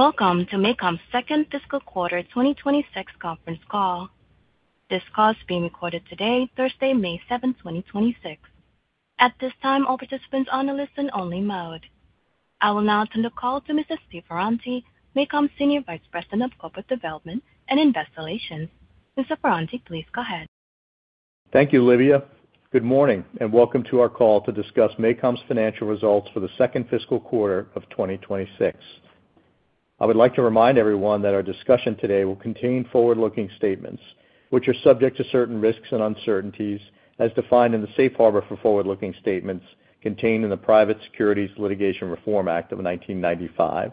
Welcome to MACOM's second fiscal quarter 2026 conference call. This call is being recorded today, Thursday, May 7th, 2026. At this time, all participants on a listen only mode. I will now turn the call to Mr. Steve Ferranti, MACOM's Senior Vice President of Corporate Development and Investor Relations. Mr. Ferranti, please go ahead. Thank you, Livia. Good morning, and welcome to our call to discuss MACOM's financial results for the second fiscal quarter of 2026. I would like to remind everyone that our discussion today will contain forward-looking statements, which are subject to certain risks and uncertainties as defined in the safe harbor for forward-looking statements contained in the Private Securities Litigation Reform Act of 1995.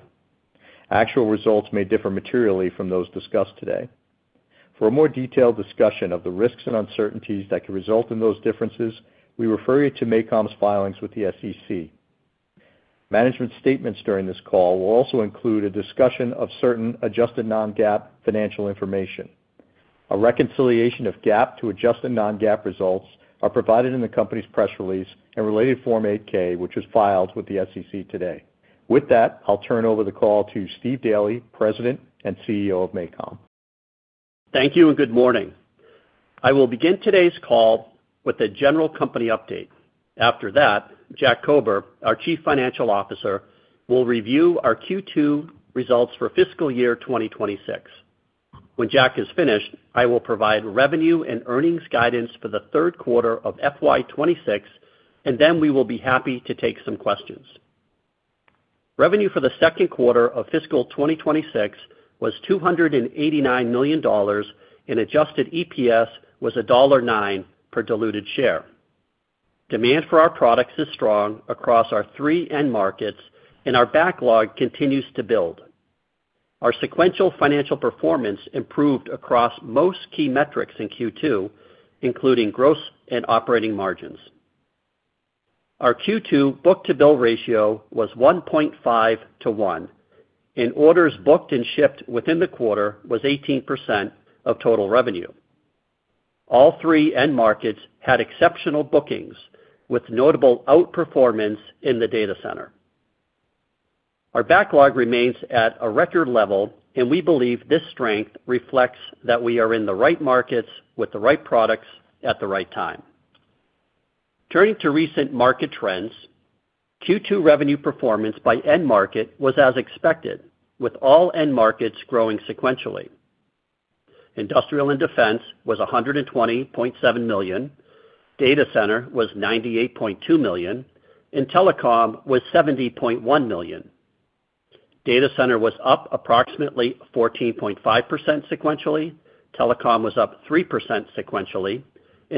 Actual results may differ materially from those discussed today. For a more detailed discussion of the risks and uncertainties that could result in those differences, we refer you to MACOM's filings with the SEC. Management statements during this call will also include a discussion of certain adjusted non-GAAP financial information. A reconciliation of GAAP to adjusted non-GAAP results are provided in the company's press release and related Form 8-K, which was filed with the SEC today. With that, I'll turn over the call to Steve Daly, President and CEO of MACOM. Thank you, and good morning. I will begin today's call with a general company update. After that, Jack Kober, our Chief Financial Officer, will review our Q2 results for fiscal year 2026. When Jack is finished, I will provide revenue and earnings guidance for the third quarter of FY 2026, and then we will be happy to take some questions. Revenue for the second quarter of fiscal 2026 was $289 million, and adjusted EPS was $1.09 per diluted share. Demand for our products is strong across our three end markets, and our backlog continues to build. Our sequential financial performance improved across most key metrics in Q2, including gross and operating margins. Our Q2 book-to-bill ratio was 1.5 to 1, and orders booked and shipped within the quarter was 18% of total revenue. All three end markets had exceptional bookings, with notable outperformance in the data center. Our backlog remains at a record level. We believe this strength reflects that we are in the right markets with the right products at the right time. Turning to recent market trends, Q2 revenue performance by end market was as expected, with all end markets growing sequentially. Industrial and Defense was $120.7 million. Data center was $98.2 million. Telecom was $70.1 million. Data center was up approximately 14.5% sequentially. Telecom was up 3% sequentially.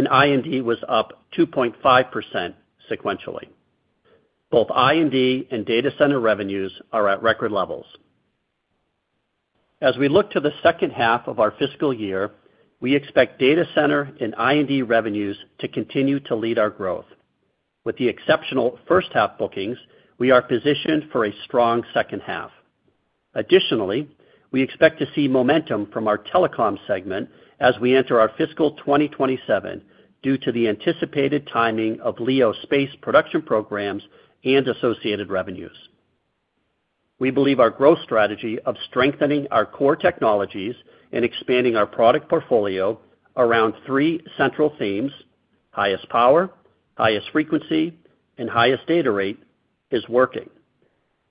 I&D was up 2.5% sequentially. Both I&D and data center revenues are at record levels. As we look to the second half of our fiscal year, we expect data center and I&D revenues to continue to lead our growth. With the exceptional first half bookings, we are positioned for a strong second half. Additionally, we expect to see momentum from our telecom segment as we enter our fiscal 2027 due to the anticipated timing of LEO space production programs and associated revenues. We believe our growth strategy of strengthening our core technologies and expanding our product portfolio around three central themes, highest power, highest frequency, and highest data rate, is working.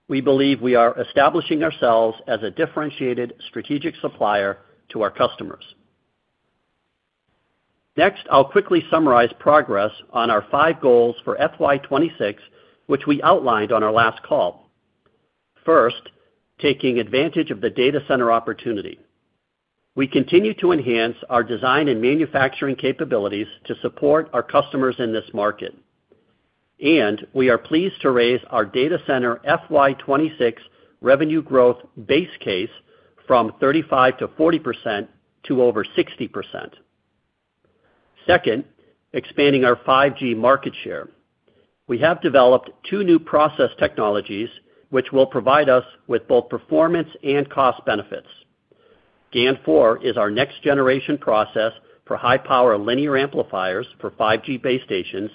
We believe we are establishing ourselves as a differentiated strategic supplier to our customers. Next, I'll quickly summarize progress on our five goals for FY 2026, which we outlined on our last call. First, taking advantage of the data center opportunity. We continue to enhance our design and manufacturing capabilities to support our customers in this market, we are pleased to raise our data center FY 2026 revenue growth base case from 35%-40% to over 60%. Second, expanding our 5G market share. We have developed two new process technologies which will provide us with both performance and cost benefits. Gen4 is our next generation process for high-power linear amplifiers for 5G base stations,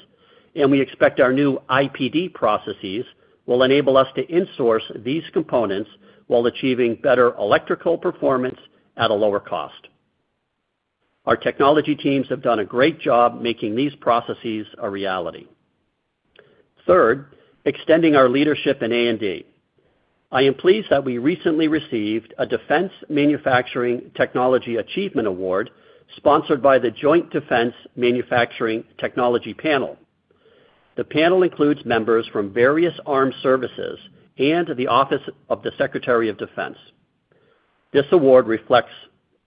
we expect our new IPD processes will enable us to insource these components while achieving better electrical performance at a lower cost. Our technology teams have done a great job making these processes a reality. Third, extending our leadership in A&D. I am pleased that we recently received a Defense Manufacturing Technology Achievement Award sponsored by the Joint Defense Manufacturing Technology Panel. The panel includes members from various armed services and the Office of the Secretary of Defense. This award reflects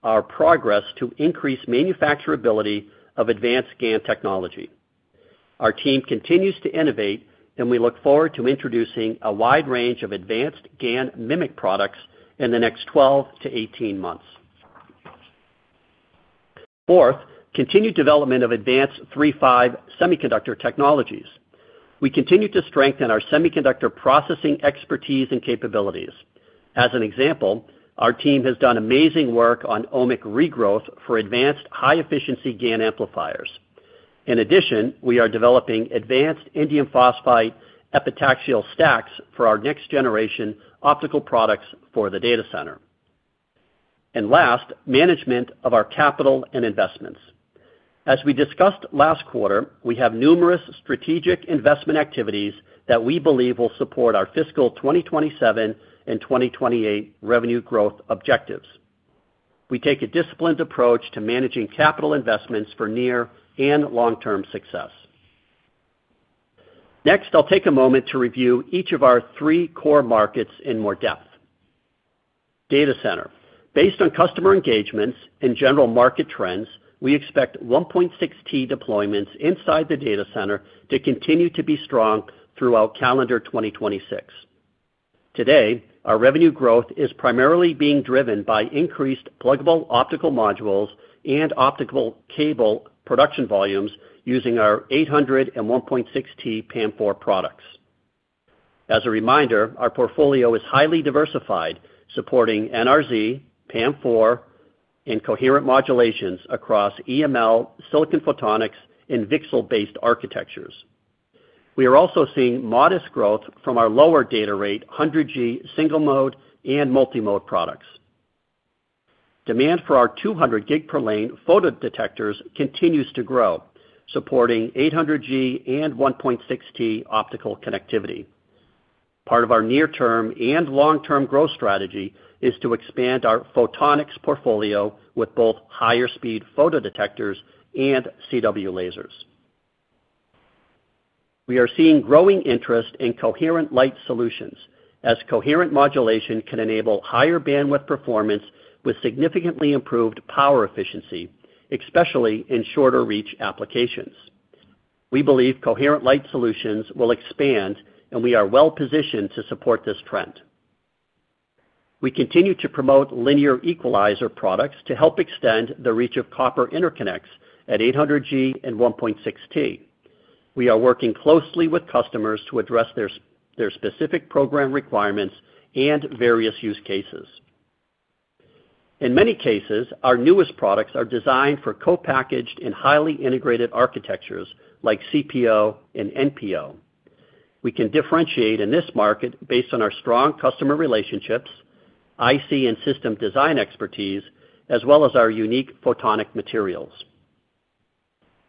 our progress to increase manufacturability of advanced GaN technology. Our team continues to innovate, and we look forward to introducing a wide range of advanced GaN MMIC products in the next 12-18 months. Fourth, continued development of advanced III-V semiconductor technologies. We continue to strengthen our semiconductor processing expertise and capabilities. As an example, our team has done amazing work on ohmic regrowth for advanced high-efficiency GaN amplifiers. In addition, we are developing advanced indium phosphide epitaxial stacks for our next generation optical products for the data center. Last, management of our capital and investments. As we discussed last quarter, we have numerous strategic investment activities that we believe will support our fiscal 2027 and 2028 revenue growth objectives. We take a disciplined approach to managing capital investments for near and long-term success. I'll take a moment to review each of our three core markets in more depth. Data center. Based on customer engagements and general market trends, we expect 1.6T deployments inside the data center to continue to be strong throughout calendar 2026. Today, our revenue growth is primarily being driven by increased pluggable optical modules and optical cable production volumes using our 800G and 1.6T PAM4 products. As a reminder, our portfolio is highly diversified, supporting NRZ, PAM4, and coherent modulations across EML, silicon photonics, and VCSEL-based architectures. We are also seeing modest growth from our lower data rate 100G single-mode and multi-mode products. Demand for our 200G per lane photodetectors continues to grow, supporting 800G and 1.6T optical connectivity. Part of our near-term and long-term growth strategy is to expand our photonics portfolio with both higher speed photodetectors and CW lasers. We are seeing growing interest in Coherent LITE Solutions, as coherent modulation can enable higher bandwidth performance with significantly improved power efficiency, especially in shorter reach applications. We believe Coherent LITE Solutions will expand, we are well-positioned to support this trend. We continue to promote linear equalizer products to help extend the reach of copper interconnects at 800G and 1.6T. We are working closely with customers to address their specific program requirements and various use cases. In many cases, our newest products are designed for co-packaged and highly integrated architectures like CPO and NPO. We can differentiate in this market based on our strong customer relationships, IC and system design expertise, as well as our unique photonic materials.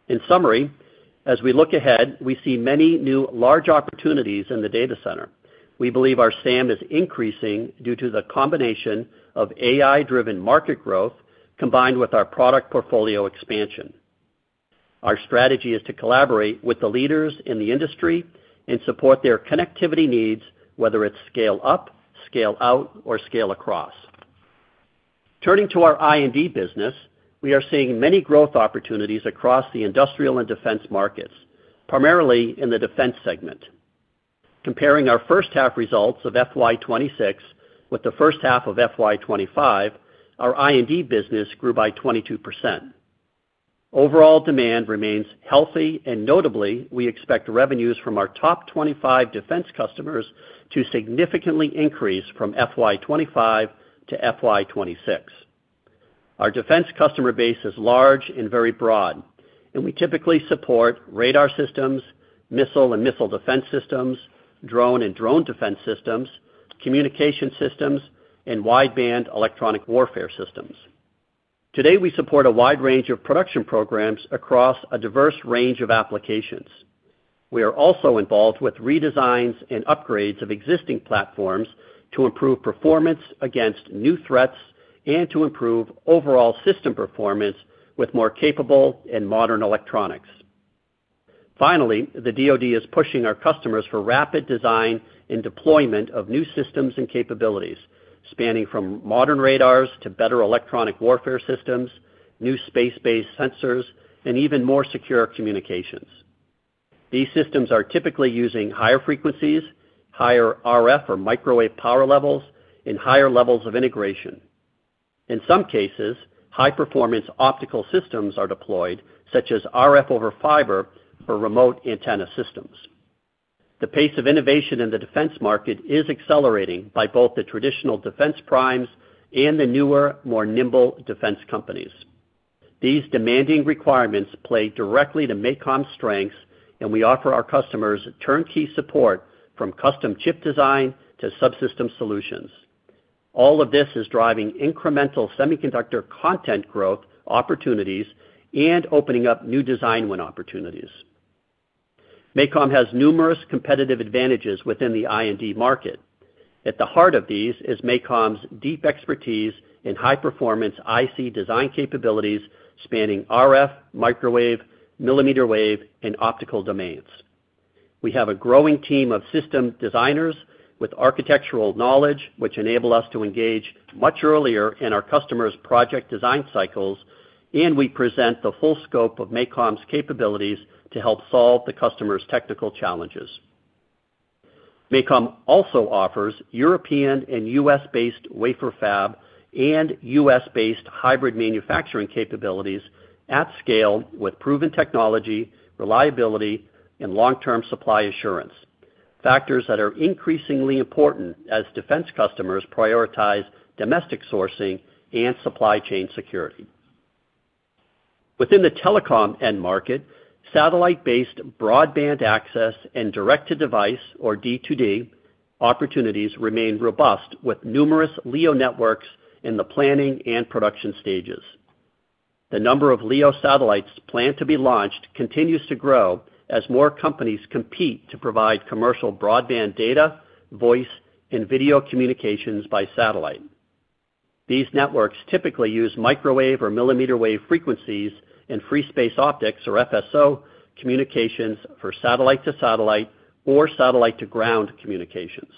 In summary, as we look ahead, we see many new large opportunities in the data center. We believe our SAM is increasing due to the combination of AI-driven market growth combined with our product portfolio expansion. Our strategy is to collaborate with the leaders in the industry and support their connectivity needs, whether it's scale up, scale out, or scale across. Turning to our I&D business, we are seeing many growth opportunities across the industrial and defense markets, primarily in the defense segment. Comparing our first half results of FY 2026 with the first half of FY 2025, our I&D business grew by 22%. Overall demand remains healthy, and notably, we expect revenues from our top 25 defense customers to significantly increase from FY 2025 to FY 2026. Our defense customer base is large and very broad, and we typically support radar systems, missile and missile defense systems, drone and drone defense systems, communication systems, and wideband electronic warfare systems. Today, we support a wide range of production programs across a diverse range of applications. We are also involved with redesigns and upgrades of existing platforms to improve performance against new threats and to improve overall system performance with more capable and modern electronics. Finally, the DoD is pushing our customers for rapid design and deployment of new systems and capabilities, spanning from modern radars to better electronic warfare systems, new space-based sensors, and even more secure communications. These systems are typically using higher frequencies, higher RF or microwave power levels, and higher levels of integration. In some cases, high-performance optical systems are deployed, such as RF over fiber for remote antenna systems. The pace of innovation in the defense market is accelerating by both the traditional defense primes and the newer, more nimble defense companies. These demanding requirements play directly to MACOM's strengths. We offer our customers turnkey support from custom chip design to subsystem solutions. All of this is driving incremental semiconductor content growth opportunities and opening up new design win opportunities. MACOM has numerous competitive advantages within the I&D market. At the heart of these is MACOM's deep expertise in high-performance IC design capabilities spanning RF, microwave, millimeter wave, and optical domains. We have a growing team of system designers with architectural knowledge, which enable us to engage much earlier in our customers' project design cycles. We present the full scope of MACOM's capabilities to help solve the customer's technical challenges. MACOM also offers European and U.S.-based wafer fab and U.S.-based hybrid manufacturing capabilities at scale with proven technology, reliability, and long-term supply assurance. Factors that are increasingly important as defense customers prioritize domestic sourcing and supply chain security. Within the telecom end market, satellite-based broadband access and direct to device, or D2D, opportunities remain robust with numerous LEO networks in the planning and production stages. The number of LEO satellites planned to be launched continues to grow as more companies compete to provide commercial broadband data, voice, and video communications by satellite. These networks typically use microwave or millimeter wave frequencies and free space optics, or FSO, communications for satellite to satellite or satellite to ground communications.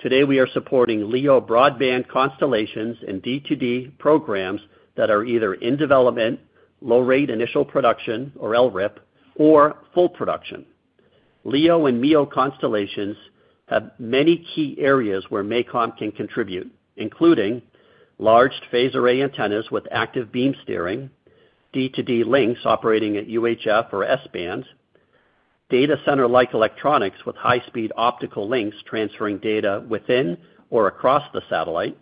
Today, we are supporting LEO broadband constellations and D2D programs that are either in development, low rate initial production, or LRIP, or full production. LEO and MEO constellations have many key areas where MACOM can contribute, including large phased array antennas with active beam steering, D2D links operating at UHF or S-bands, data center-like electronics with high-speed optical links transferring data within or across the satellite,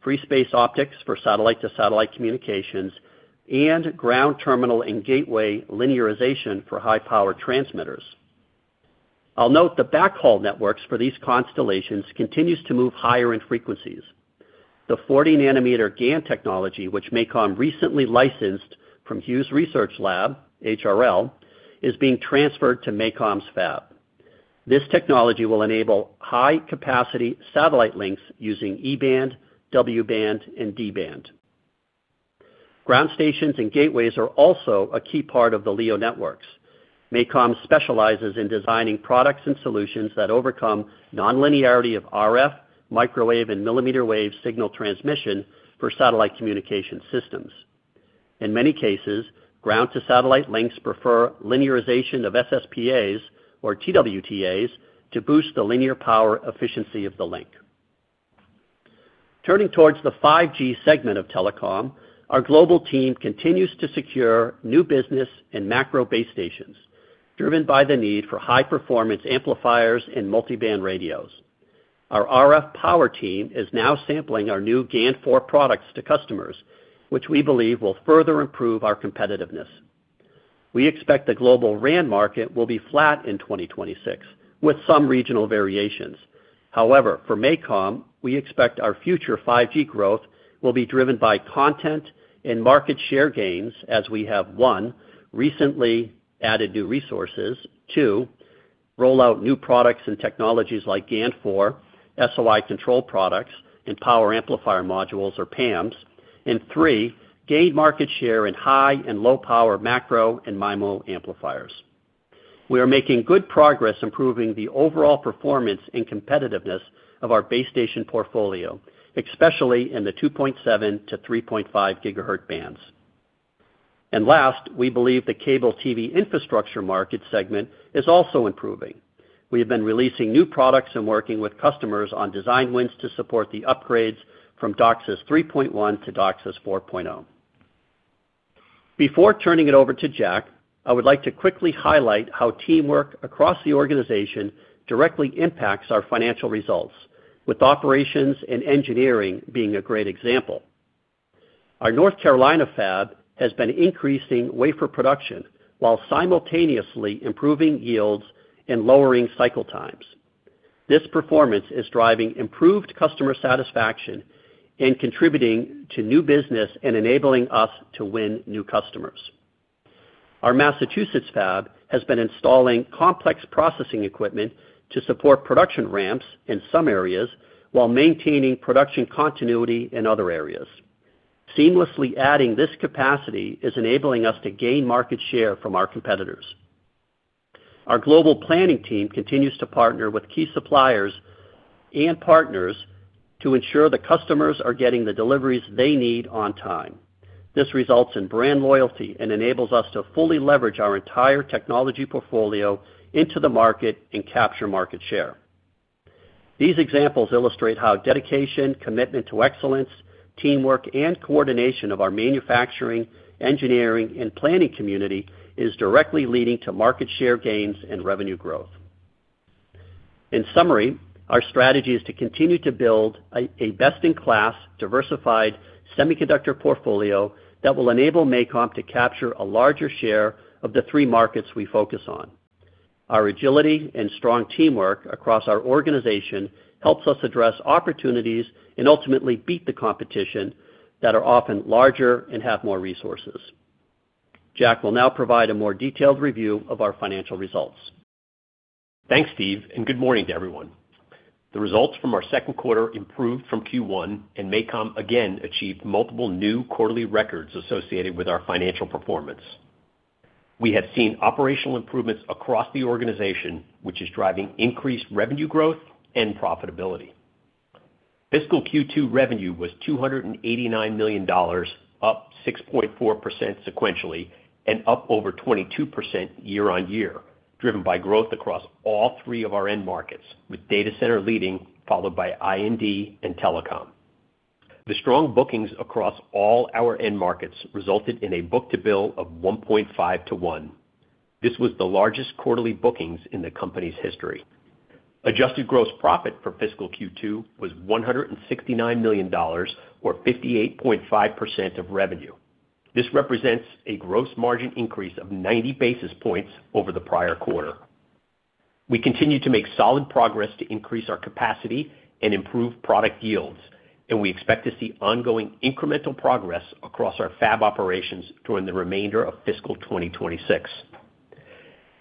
free space optics for satellite to satellite communications, and ground terminal and gateway linearization for high-power transmitters. I'll note the backhaul networks for these constellations continues to move higher in frequencies. The 40nm GaN technology, which MACOM recently licensed from Hughes Research Laboratories, HRL, is being transferred to MACOM's fab. This technology will enable high-capacity satellite links using E-band, W-band, and D-band. Ground stations and gateways are also a key part of the LEO networks. MACOM specializes in designing products and solutions that overcome nonlinearity of RF, microwave, and millimeter wave signal transmission for satellite communication systems. In many cases, ground to satellite links prefer linearization of SSPAs or TWTAs to boost the linear power efficiency of the link. Turning towards the 5G segment of telecom, our global team continues to secure new business and macro base stations driven by the need for high-performance amplifiers and multiband radios. Our RF power team is now sampling our new Gen4 GaN products to customers, which we believe will further improve our competitiveness. We expect the global RAN market will be flat in 2026, with some regional variations. However, for MACOM, we expect our future 5G growth will be driven by content and market share gains as we have, one, recently added new resources. Two, roll out new products and technologies like Gen4 GaN, SOI control products, and power amplifier modules, or PAMs. Three, gain market share in high and low power macro and MIMO amplifiers. We are making good progress improving the overall performance and competitiveness of our base station portfolio, especially in the 2.7GHz-3.5GHz bands. Last, we believe the cable TV infrastructure market segment is also improving. We have been releasing new products and working with customers on design wins to support the upgrades from DOCSIS 3.1 to DOCSIS 4.0. Before turning it over to Jack, I would like to quickly highlight how teamwork across the organization directly impacts our financial results, with operations and engineering being a great example. Our North Carolina fab has been increasing wafer production while simultaneously improving yields and lowering cycle times. This performance is driving improved customer satisfaction and contributing to new business and enabling us to win new customers. Our Massachusetts fab has been installing complex processing equipment to support production ramps in some areas while maintaining production continuity in other areas. Seamlessly adding this capacity is enabling us to gain market share from our competitors. Our global planning team continues to partner with key suppliers and partners to ensure that customers are getting the deliveries they need on time. This results in brand loyalty and enables us to fully leverage our entire technology portfolio into the market and capture market share. These examples illustrate how dedication, commitment to excellence, teamwork, and coordination of our manufacturing, engineering, and planning community is directly leading to market share gains and revenue growth. In summary, our strategy is to continue to build a best-in-class diversified semiconductor portfolio that will enable MACOM to capture a larger share of the three markets we focus on. Our agility and strong teamwork across our organization helps us address opportunities and ultimately beat the competition that are often larger and have more resources. Jack will now provide a more detailed review of our financial results. Thanks, Steve. Good morning to everyone. The results from our second quarter improved from Q1, and MACOM again achieved multiple new quarterly records associated with our financial performance. We have seen operational improvements across the organization, which is driving increased revenue growth and profitability. Fiscal Q2 revenue was $289 million, up 6.4% sequentially and up over 22% year-on-year, driven by growth across all three of our end markets, with data center leading, followed by I&D and telecom. The strong bookings across all our end markets resulted in a book-to-bill of 1.5 to 1. This was the largest quarterly bookings in the company's history. Adjusted gross profit for fiscal Q2 was $169 million, or 58.5% of revenue. This represents a gross margin increase of 90 basis points over the prior quarter. We continue to make solid progress to increase our capacity and improve product yields, and we expect to see ongoing incremental progress across our fab operations during the remainder of fiscal 2026.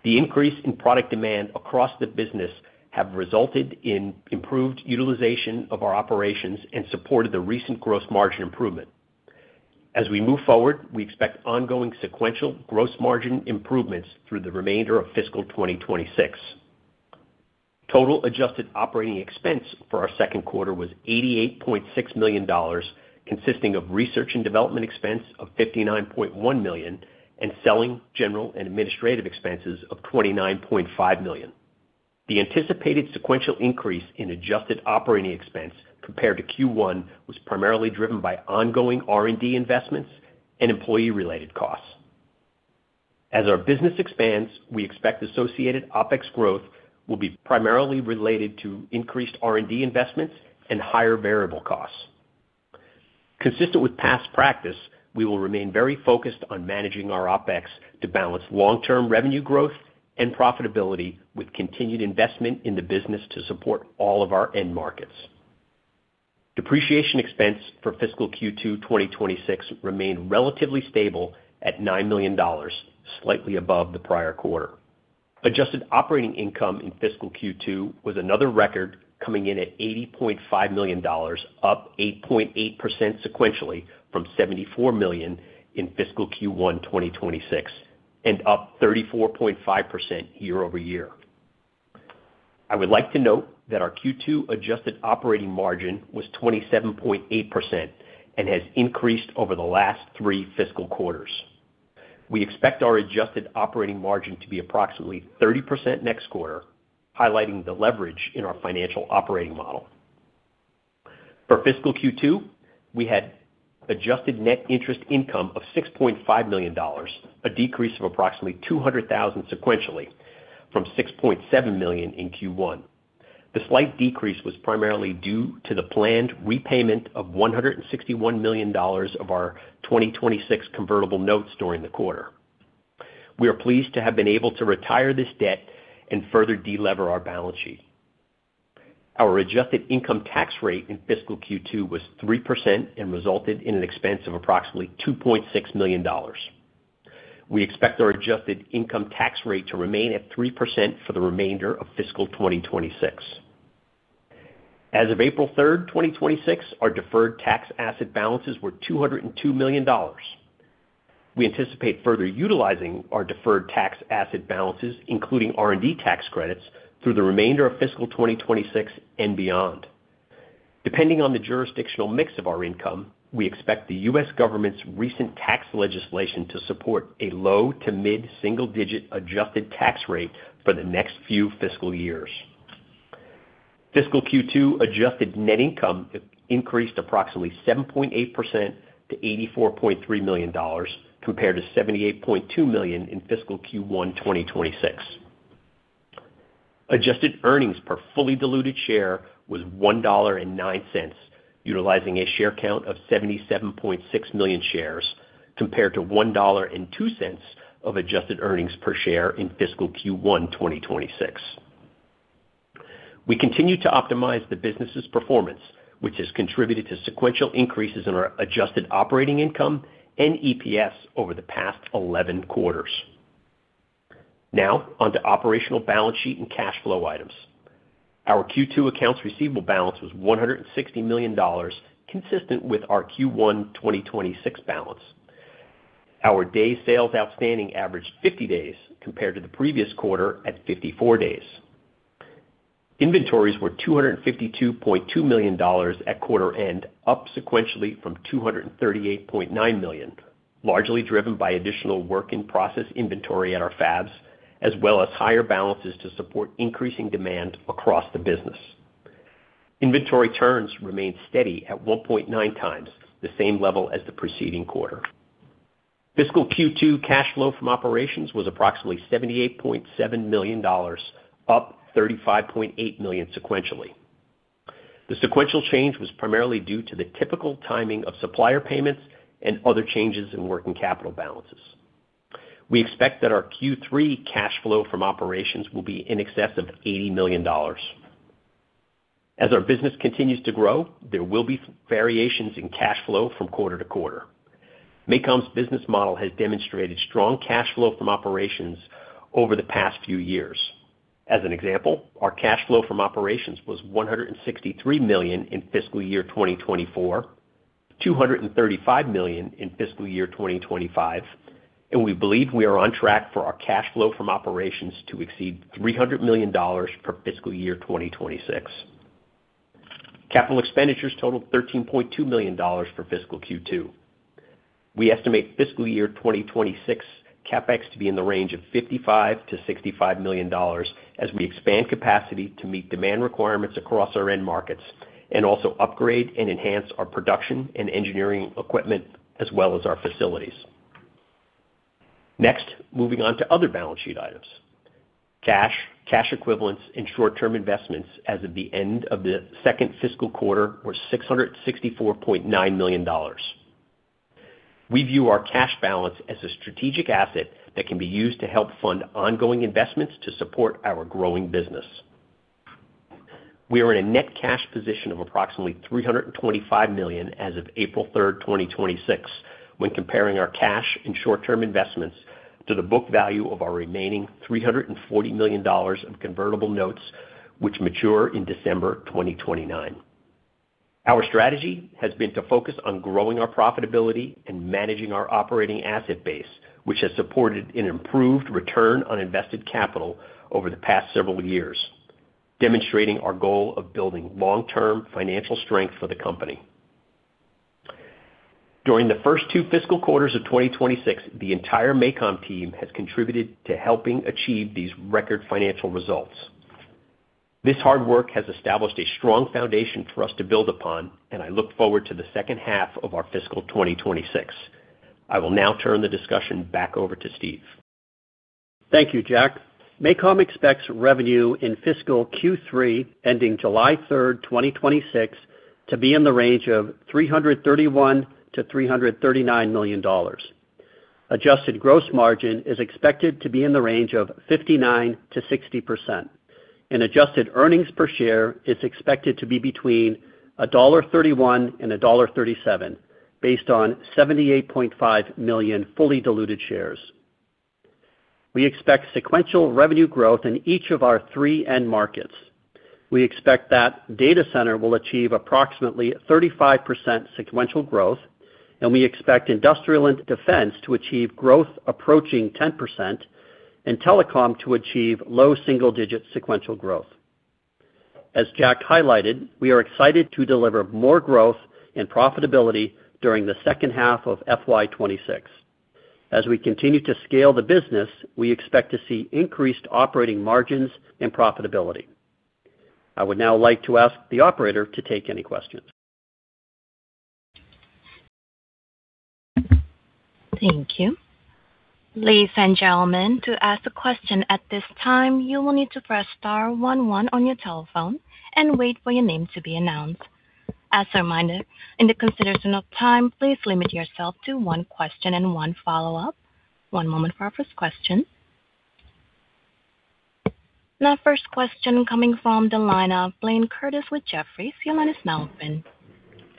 The increase in product demand across the business have resulted in improved utilization of our operations and supported the recent gross margin improvement. As we move forward, we expect ongoing sequential gross margin improvements through the remainder of fiscal 2026. Total adjusted operating expense for our second quarter was $88.6 million, consisting of research and development expense of $59.1 million, and selling, general, and administrative expenses of $29.5 million. The anticipated sequential increase in adjusted operating expense compared to Q1 was primarily driven by ongoing R&D investments and employee-related costs. As our business expands, we expect associated OpEx growth will be primarily related to increased R&D investments and higher variable costs. Consistent with past practice, we will remain very focused on managing our OpEx to balance long-term revenue growth and profitability with continued investment in the business to support all of our end markets. Depreciation expense for fiscal Q2 2026 remained relatively stable at $9 million, slightly above the prior quarter. Adjusted operating income in fiscal Q2 was another record, coming in at $80.5 million, up 8.8% sequentially from $74 million in fiscal Q1 2026, and up 34.5% year-over-year. I would like to note that our Q2 adjusted operating margin was 27.8% and has increased over the last three fiscal quarters. We expect our adjusted operating margin to be approximately 30% next quarter, highlighting the leverage in our financial operating model. For fiscal Q2, we had adjusted net interest income of $6.5 million, a decrease of approximately $200,000 sequentially from $6.7 million in Q1. The slight decrease was primarily due to the planned repayment of $161 million of our 2026 convertible notes during the quarter. We are pleased to have been able to retire this debt and further delever our balance sheet. Our adjusted income tax rate in fiscal Q2 was 3% and resulted in an expense of approximately $2.6 million. We expect our adjusted income tax rate to remain at 3% for the remainder of fiscal 2026. As of April third, 2026, our deferred tax asset balances were $202 million. We anticipate further utilizing our deferred tax asset balances, including R&D tax credits, through the remainder of fiscal 2026 and beyond. Depending on the jurisdictional mix of our income, we expect the U.S. government's recent tax legislation to support a low to mid-single digit adjusted tax rate for the next few fiscal years. Fiscal Q2 adjusted net income increased approximately 7.8% to $84.3 million, compared to $78.2 million in fiscal Q1 2026. Adjusted earnings per fully diluted share was $1.09, utilizing a share count of 77.6 million shares, compared to $1.02 of adjusted earnings per share in fiscal Q1 2026. We continue to optimize the business's performance, which has contributed to sequential increases in our adjusted operating income and EPS over the past 11 quarters. Now on to operational balance sheet and cash flow items. Our Q2 accounts receivable balance was $160 million, consistent with our Q1 2026 balance. Our days sales outstanding averaged 50 days compared to the previous quarter at 54 days. Inventories were $252.2 million at quarter end, up sequentially from $238.9 million, largely driven by additional work in process inventory at our fabs, as well as higher balances to support increasing demand across the business. Inventory turns remained steady at 1.9x, the same level as the preceding quarter. Fiscal Q2 cash flow from operations was approximately $78.7 million, up $35.8 million sequentially. The sequential change was primarily due to the typical timing of supplier payments and other changes in working capital balances. We expect that our Q3 cash flow from operations will be in excess of $80 million. As our business continues to grow, there will be variations in cash flow from quarter to quarter. MACOM's business model has demonstrated strong cash flow from operations over the past few years. As an example, our cash flow from operations was $163 million in fiscal year 2024, $235 million in fiscal year 2025, and we believe we are on track for our cash flow from operations to exceed $300 million for fiscal year 2026. Capital expenditures totaled $13.2 million for fiscal Q2. We estimate fiscal year 2026 CapEx to be in the range of $55 million-$65 million as we expand capacity to meet demand requirements across our end markets and also upgrade and enhance our production and engineering equipment as well as our facilities. Moving on to other balance sheet items. Cash, cash equivalents, and short-term investments as of the end of the second fiscal quarter were $664.9 million. We view our cash balance as a strategic asset that can be used to help fund ongoing investments to support our growing business. We are in a net cash position of approximately $325 million as of April 3rd, 2026 when comparing our cash and short-term investments to the book value of our remaining $340 million of convertible notes, which mature in December 2029. Our strategy has been to focus on growing our profitability and managing our operating asset base, which has supported an improved return on invested capital over the past several years, demonstrating our goal of building long-term financial strength for the company. During the first two fiscal quarters of 2026, the entire MACOM team has contributed to helping achieve these record financial results. This hard work has established a strong foundation for us to build upon, and I look forward to the second half of our fiscal 2026. I will now turn the discussion back over to Steve. Thank you, Jack. MACOM expects revenue in fiscal Q3, ending July 3rd, 2026 to be in the range of $331 million-$339 million. Adjusted gross margin is expected to be in the range of 59%-60%. Adjusted earnings per share is expected to be between $1.31 and $1.37 based on 78.5 million fully diluted shares. We expect sequential revenue growth in each of our 3 end markets. We expect that data center will achieve approximately 35% sequential growth, and we expect industrial and defense to achieve growth approaching 10% and telecom to achieve low single-digit sequential growth. As Jack highlighted, we are excited to deliver more growth and profitability during the second half of FY 2026. As we continue to scale the business, we expect to see increased operating margins and profitability. I would now like to ask the operator to take any questions. Thank you. Ladies and gentlemen, to ask a question at this time, you will need to press star one one on your telephone and wait for your name to be announced. As a reminder, in the consideration of time, please limit yourself to one question and one follow-up. One moment for our first question. The first question coming from the line of Blayne Curtis with Jefferies. Your line is now open.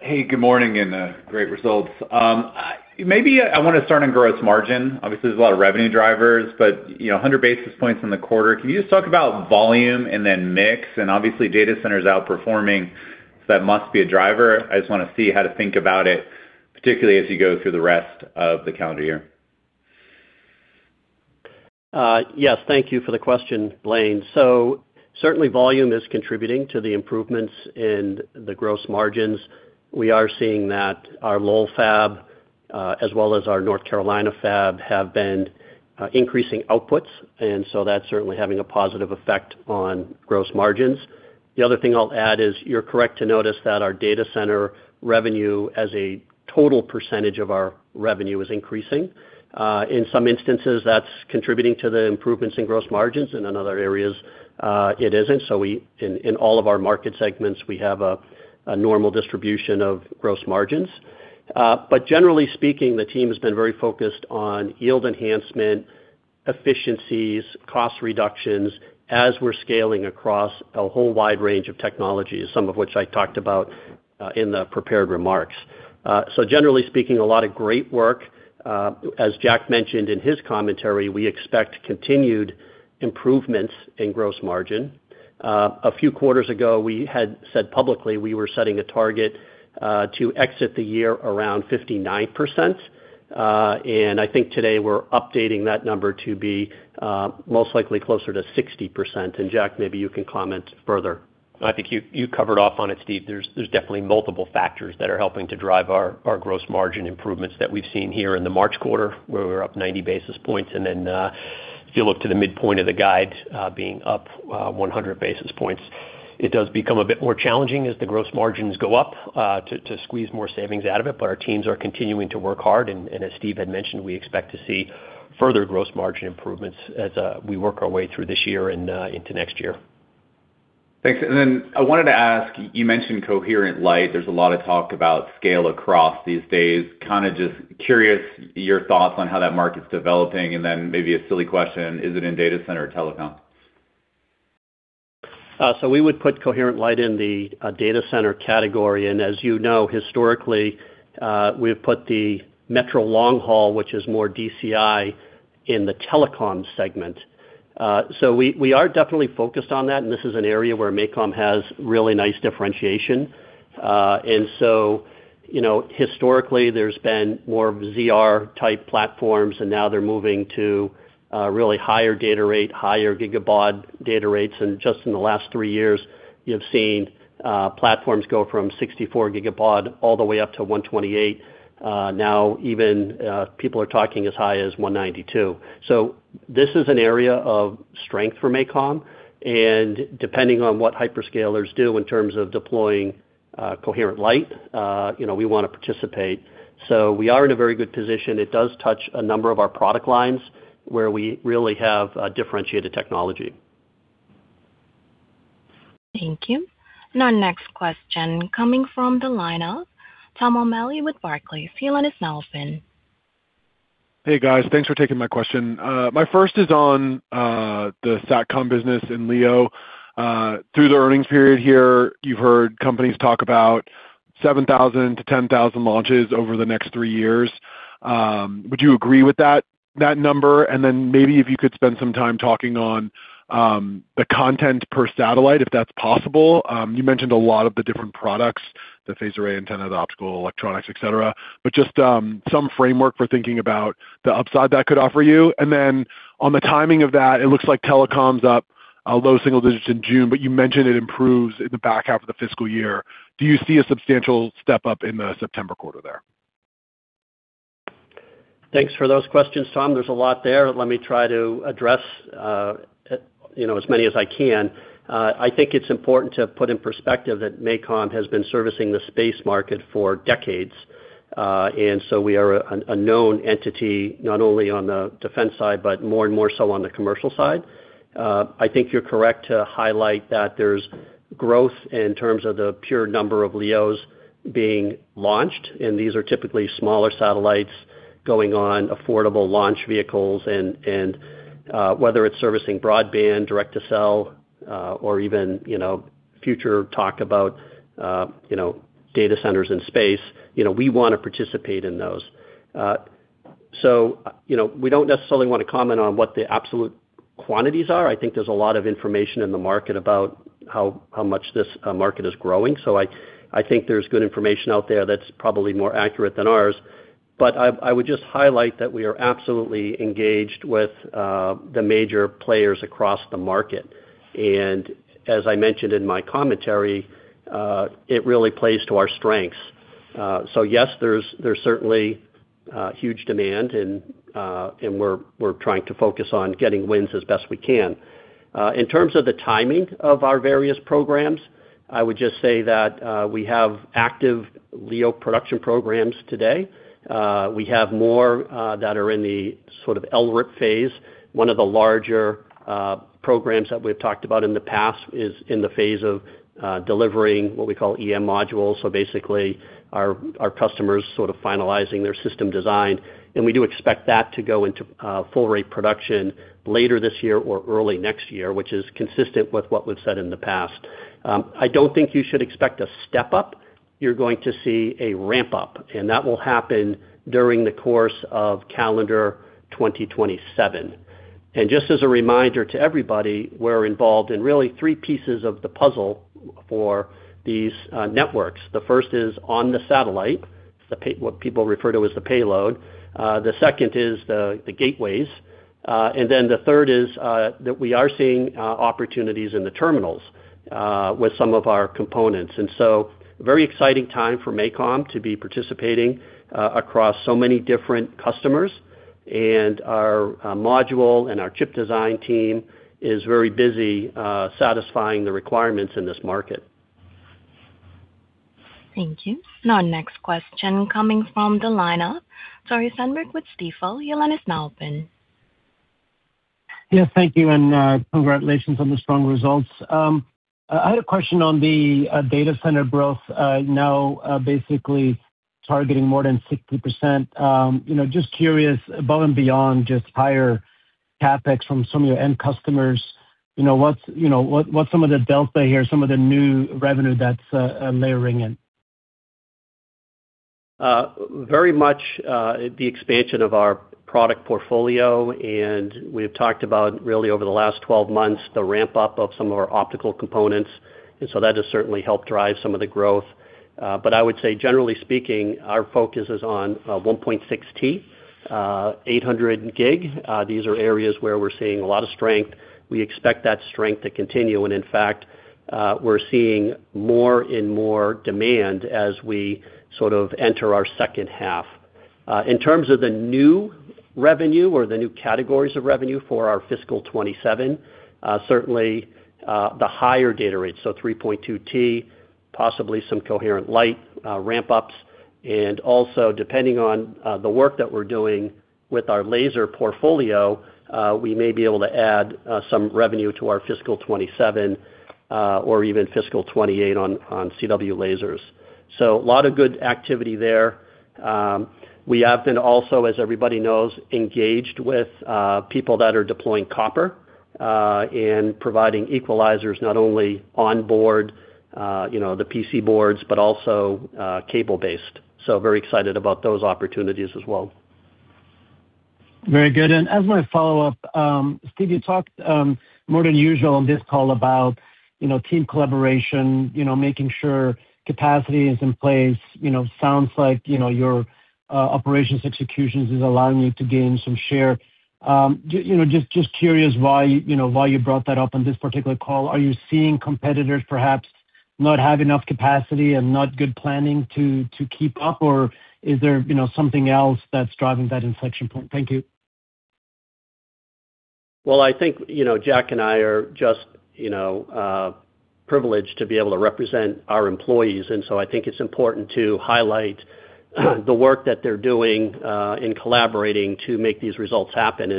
Hey, good morning and great results. Maybe I want to start on gross margin. Obviously, there's a lot of revenue drivers, but, you know, 100 basis points in the quarter. Can you just talk about volume and then mix? Obviously, data center is outperforming, so that must be a driver. I just want to see how to think about it, particularly as you go through the rest of the calendar year. Yes. Thank you for the question, Blayne. Certainly volume is contributing to the improvements in the gross margins. We are seeing that our Lowell fab, as well as our North Carolina fab have been increasing outputs, that's certainly having a positive effect on gross margins. The other thing I'll add is you're correct to notice that our data center revenue as a total percentage of our revenue is increasing. In some instances, that's contributing to the improvements in gross margins, and in other areas, it isn't. We in all of our market segments, we have a normal distribution of gross margins. But generally speaking, the team has been very focused on yield enhancement, efficiencies, cost reductions as we're scaling across a whole wide range of technologies, some of which I talked about in the prepared remarks. Generally speaking, a lot of great work. As Jack mentioned in his commentary, we expect continued improvements in gross margin. A few quarters ago, we had said publicly we were setting a target to exit the year around 59%. I think today we're updating that number to be most likely closer to 60%. Jack, maybe you can comment further. I think you covered off on it, Steve. There's definitely multiple factors that are helping to drive our gross margin improvements that we've seen here in the March quarter, where we're up 90 basis points. If you look to the midpoint of the guide, being up 100 basis points. It does become a bit more challenging as the gross margins go up to squeeze more savings out of it, but our teams are continuing to work hard. As Steve had mentioned, we expect to see further gross margin improvements as we work our way through this year and into next year. Thanks. I wanted to ask, you mentioned coherent light. There's a lot of talk about scale across these days. Kind of just curious your thoughts on how that market's developing, and then maybe a silly question, is it in data center or telecom? We would put coherent light in the data center category. As you know, historically, we've put the metro long haul, which is more DCI, in the telecom segment. We, we are definitely focused on that, and this is an area where MACOM has really nice differentiation. You know, historically, there's been more of ZR-type platforms, and now they're moving to really higher data rate, higher gigabaud data rates. Just in the last three years, you've seen platforms go from 64GBd all the way up to 128GBd. Even people are talking as high as 192GBd. This is an area of strength for MACOM. Depending on what hyperscalers do in terms of deploying coherent light, you know, we wanna participate. We are in a very good position. It does touch a number of our product lines where we really have differentiated technology. Thank you. Our next question coming from the line of Tom O'Malley with Barclays. Your line is now open. Hey, guys. Thanks for taking my question. My first is on the SATCOM business in LEO. Through the earnings period here, you've heard companies talk about 7,000-10,000 launches over the next three years. Would you agree with that number? Maybe if you could spend some time talking on the content per satellite, if that's possible. You mentioned a lot of the different products, the phased array antenna, the optical electronics, et cetera. Some framework for thinking about the upside that could offer you. On the timing of that, it looks like telecom's up low single-digits in June, but you mentioned it improves in the back half of the fiscal year. Do you see a substantial step-up in the September quarter there? Thanks for those questions, Tom. There's a lot there. Let me try to address, you know, as many as I can. I think it's important to put in perspective that MACOM has been servicing the space market for decades. We are a known entity, not only on the defense side, but more and more so on the commercial side. I think you're correct to highlight that there's growth in terms of the pure number of LEOs being launched, and these are typically smaller satellites going on affordable launch vehicles and whether it's servicing broadband, direct to cell, or even, you know, future talk about, you know, data centers in space, you know, we wanna participate in those. You know, we don't necessarily wanna comment on what the absolute quantities are. I think there's a lot of information in the market about how much this market is growing. I think there's good information out there that's probably more accurate than ours. I would just highlight that we are absolutely engaged with the major players across the market. As I mentioned in my commentary, it really plays to our strengths. Yes, there's certainly huge demand and we're trying to focus on getting wins as best we can. In terms of the timing of our various programs, I would just say that we have active LEO production programs today. We have more that are in the sort of LRIP phase. One of the larger programs that we've talked about in the past is in the phase of delivering what we call Electronic Modules. Basically our customers sort of finalizing their system design, and we do expect that to go into full rate production later this year or early next year, which is consistent with what we've said in the past. I don't think you should expect a step-up. You're going to see a ramp-up, and that will happen during the course of calendar 2027. Just as a reminder to everybody, we're involved in really three pieces of the puzzle for these networks. The first is on the satellite, what people refer to as the payload. The second is the gateways. The third is, that we are seeing, opportunities in the terminals, with some of our components. Very exciting time for MACOM to be participating, across so many different customers. Our module and our chip design team is very busy, satisfying the requirements in this market. Thank you. Now our next question coming from the line of Tore Svanberg with Stifel. Your line is now open. Thank you, and congratulations on the strong results. I had a question on the data center growth, now basically targeting more than 60%. You know, just curious, above and beyond just higher CapEx from some of your end customers, what's, you know, what's some of the delta here, some of the new revenue that's layering in? Very much, the expansion of our product portfolio, and we've talked about really over the last 12 months, the ramp-up of some of our optical components. That has certainly helped drive some of the growth. I would say generally speaking, our focus is on 1.6T, 800G. These are areas where we're seeing a lot of strength. We expect that strength to continue. In fact, we're seeing more and more demand as we sort of enter our second half. In terms of the new revenue or the new categories of revenue for our fiscal 2027, certainly, the higher data rates, so 3.2T, possibly some coherent light, ramp-ups. Also depending on the work that we're doing with our laser portfolio, we may be able to add some revenue to our fiscal 2027 or even fiscal 2028 on CW lasers. A lot of good activity there. We have been also, as everybody knows, engaged with people that are deploying copper in providing equalizers not only onboard, you know, the PC boards, but also cable-based. Very excited about those opportunities as well. Very good. As my follow-up, Steve, you talked more than usual on this call about, you know, team collaboration, you know, making sure capacity is in place. You know, sounds like, you know, your operations executions is allowing you to gain some share. You know, just curious why, you know, why you brought that up on this particular call. Are you seeing competitors perhaps not have enough capacity and not good planning to keep up? Or is there, you know, something else that's driving that inflection point? Thank you. Well, I think, you know, Jack and I are just, you know, privileged to be able to represent our employees. I think it's important to highlight the work that they're doing in collaborating to make these results happen.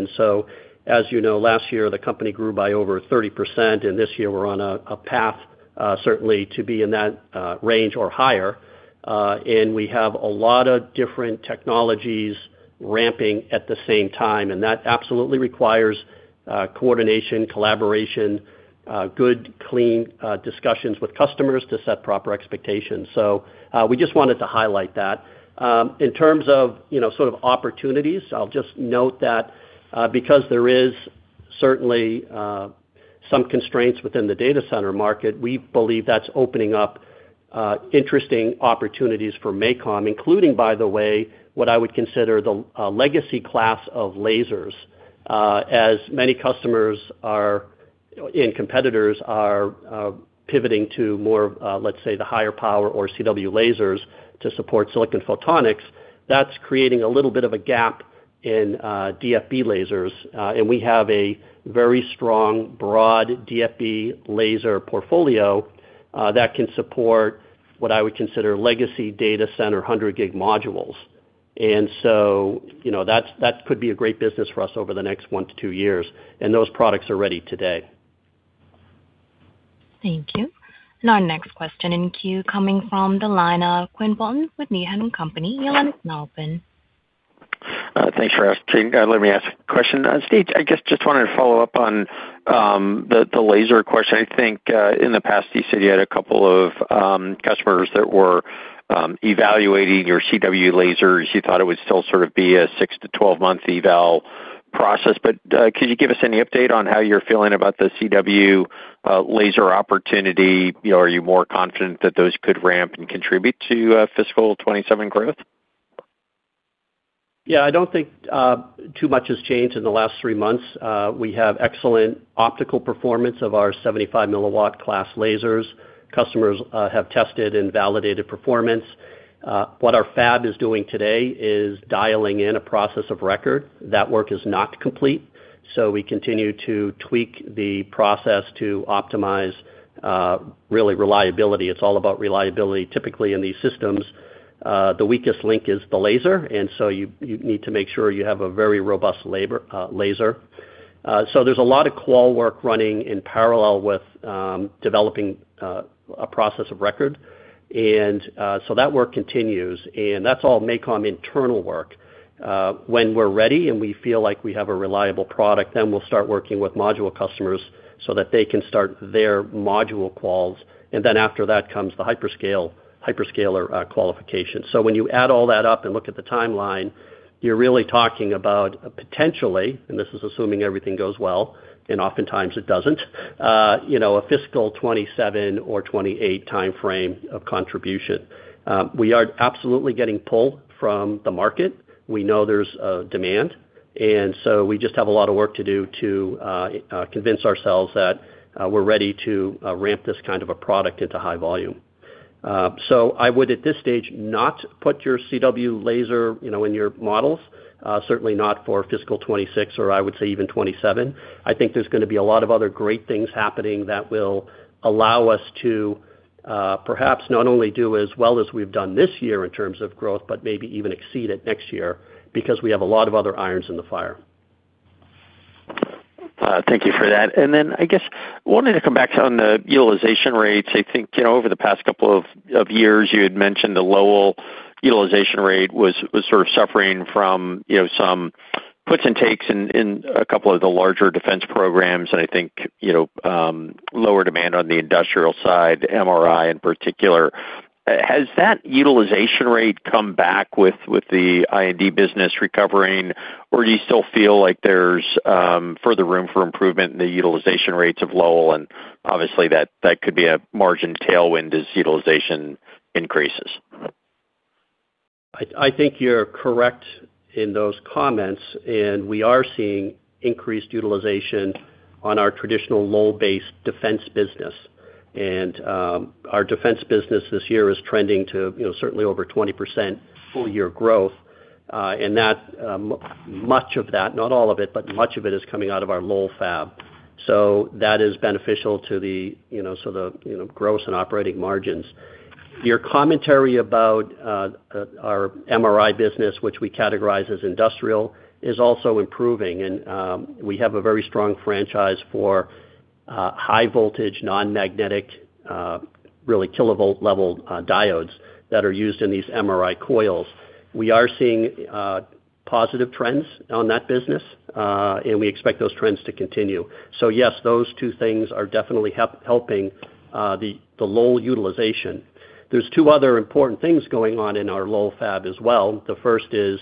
As you know, last year, the company grew by over 30%, this year we're on a path, certainly to be in that range or higher. We have a lot of different technologies ramping at the same time, that absolutely requires coordination, collaboration, good, clean discussions with customers to set proper expectations. We just wanted to highlight that. In terms of, you know, sort of opportunities, I'll just note that because there is certainly some constraints within the data center market, we believe that's opening up interesting opportunities for MACOM, including, by the way, what I would consider the legacy class of lasers. As many customers are, and competitors are, pivoting to more, let's say, the higher power or CW lasers to support silicon photonics, that's creating a little bit of a gap in DFB lasers. And we have a very strong, broad DFB laser portfolio that can support what I would consider legacy data center 100G modules. You know, that could be a great business for us over the next one to two years, and those products are ready today. Thank you. Our next question in queue coming from the line of Quinn Bolton with Needham & Company. Your line is now open. Thanks for asking. Let me ask a question. Steve, I guess just wanted to follow up on the laser question. I think in the past, you said you had a couple of customers that were evaluating your CW lasers. You thought it would still sort of be a six to 12-month eval process. Could you give us any update on how you're feeling about the CW laser opportunity? You know, are you more confident that those could ramp and contribute to fiscal 2027 growth? I don't think too much has changed in the last three months. We have excellent optical performance of our 75mW class lasers. Customers have tested and validated performance. What our fab is doing today is dialing in a process of record. That work is not complete, we continue to tweak the process to optimize really reliability. It's all about reliability. Typically, in these systems, the weakest link is the laser, you need to make sure you have a very robust laser. There's a lot of qual work running in parallel with developing a process of record. That work continues, and that's all MACOM internal work. When we're ready and we feel like we have a reliable product, then we'll start working with module customers so that they can start their module quals. After that comes the hyperscaler qualification. When you add all that up and look at the timeline, you're really talking about potentially, and this is assuming everything goes well, and oftentimes it doesn't, you know, a fiscal 2027 or 2028 timeframe of contribution. We are absolutely getting pull from the market. We know there's demand. We just have a lot of work to do to convince ourselves that we're ready to ramp this kind of a product into high volume. I would, at this stage, not put your CW laser, you know, in your models, certainly not for fiscal 2026 or I would say even 2027. I think there's gonna be a lot of other great things happening that will allow us to, perhaps not only do as well as we've done this year in terms of growth, but maybe even exceed it next year because we have a lot of other irons in the fire. Thank you for that. I guess wanting to come back on the utilization rates. I think, you know, over the past couple of years, you had mentioned the Lowell utilization rate was sort of suffering from, you know, some puts and takes in a couple of the larger defense programs and I think, you know, lower demand on the industrial side, MRI in particular. Has that utilization rate come back with the IND business recovering, or do you still feel like there's further room for improvement in the utilization rates of Lowell? Obviously, that could be a margin tailwind as utilization increases. I think you're correct in those comments. We are seeing increased utilization on our traditional Lowell-based defense business. Our defense business this year is trending to, you know, certainly over 20% full year growth. That, much of that, not all of it, but much of it is coming out of our Lowell fab. That is beneficial to the, you know, the, you know, gross and operating margins. Your commentary about our MRI business, which we categorize as industrial, is also improving. We have a very strong franchise for high voltage, non-magnetic, really kilovolt level diodes that are used in these MRI coils. We are seeing positive trends on that business. We expect those trends to continue. Yes, those two things are definitely helping the Lowell utilization. There's two other important things going on in our Lowell fab as well. The first is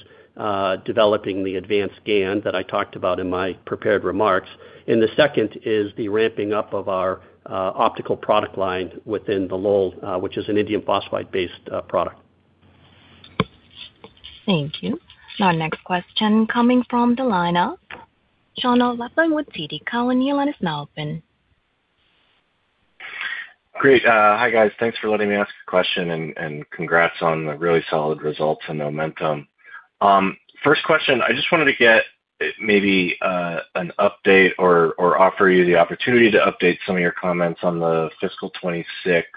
developing the advanced GaN that I talked about in my prepared remarks. The second is the ramping up of our optical product line within the Lowell, which is an indium phosphide-based product. Thank you. Our next question coming from the line of Sean O'Loughlin with TD Cowen. Your line is now open. Great. Hi, guys. Thanks for letting me ask a question, and congrats on the really solid results and momentum. First question, I just wanted to get maybe an update or offer you the opportunity to update some of your comments on the fiscal 2026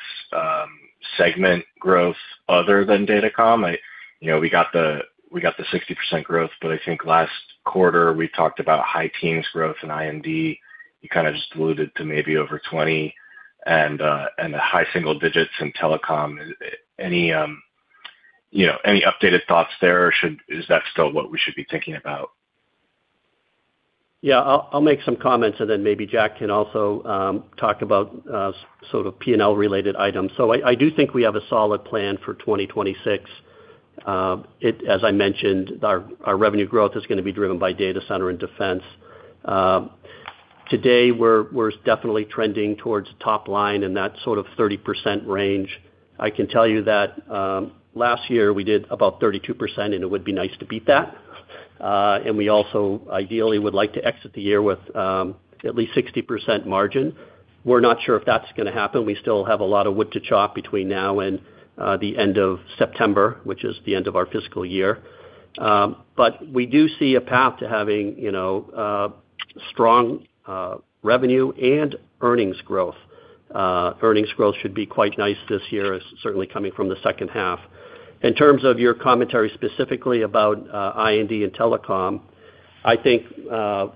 segment growth other than Datacom. You know, we got the 60% growth. I think last quarter, we talked about high teens growth in I&D. You kinda just alluded to maybe over 20% and the high single digits in telecom. Any, you know, any updated thoughts there? Is that still what we should be thinking about? I'll make some comments, and then maybe Jack can also talk about sort of P&L related items. I do think we have a solid plan for 2026. As I mentioned, our revenue growth is gonna be driven by data center and defense. Today, we're definitely trending towards top line in that sort of 30% range. I can tell you that last year, we did about 32%, and it would be nice to beat that. We also ideally would like to exit the year with at least 60% margin. We're not sure if that's gonna happen. We still have a lot of wood to chop between now and the end of September, which is the end of our fiscal year. We do see a path to having, you know, strong revenue and earnings growth. Earnings growth should be quite nice this year, certainly coming from the second half. In terms of your commentary specifically about I&D and telecom, I think,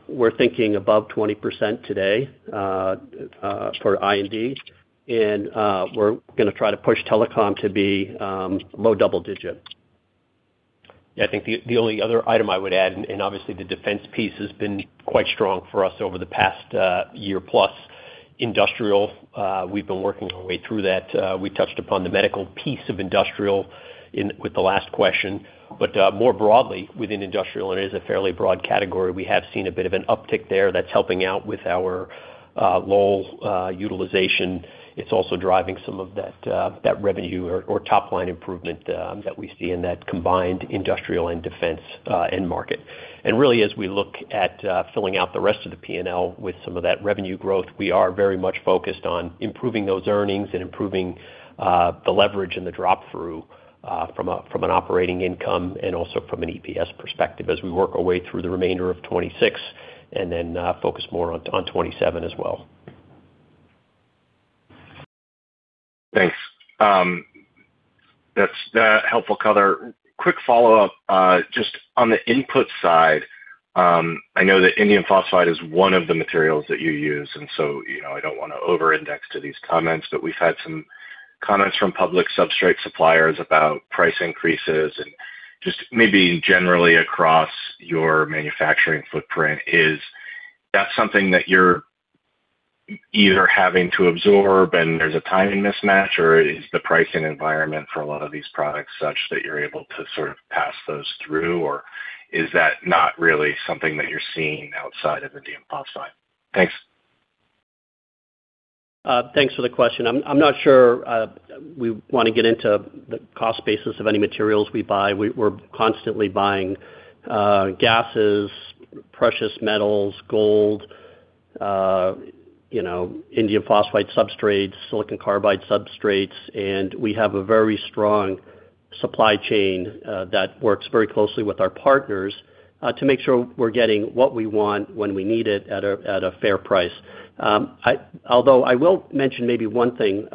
we're thinking above 20% today for I&D. We're gonna try to push telecom to be low double digit. Yeah. I think the only other item I would add, obviously, the defense piece has been quite strong for us over the past year plus. Industrial, we've been working our way through that. We touched upon the medical piece of industrial with the last question. More broadly, within industrial, it is a fairly broad category, we have seen a bit of an uptick there that's helping out with our Lowell utilization. It's also driving some of that revenue or top line improvement that we see in that combined industrial and defense end market. Really, as we look at, filling out the rest of the P&L with some of that revenue growth, we are very much focused on improving those earnings and improving the leverage and the drop-through, from an operating income and also from an EPS perspective as we work our way through the remainder of 2026, and then, focus more on 2027 as well. Thanks. That's helpful color. Quick follow-up, just on the input side, I know that indium phosphide is one of the materials that you use, and so, you know, I don't wanna over-index to these comments, but we've had some comments from public substrate suppliers about price increases. Just maybe generally across your manufacturing footprint, is that something that you're either having to absorb, and there's a timing mismatch? Or is the pricing environment for a lot of these products such that you're able to sort of pass those through? Or is that not really something that you're seeing outside of indium phosphide? Thanks. Thanks for the question. I'm not sure we want to get into the cost basis of any materials we buy. We're constantly buying gases, precious metals, gold, you know, indium phosphide substrates, silicon carbide substrates. We have a very strong supply chain that works very closely with our partners to make sure we're getting what we want when we need it at a fair price. Although I will mention maybe one thing.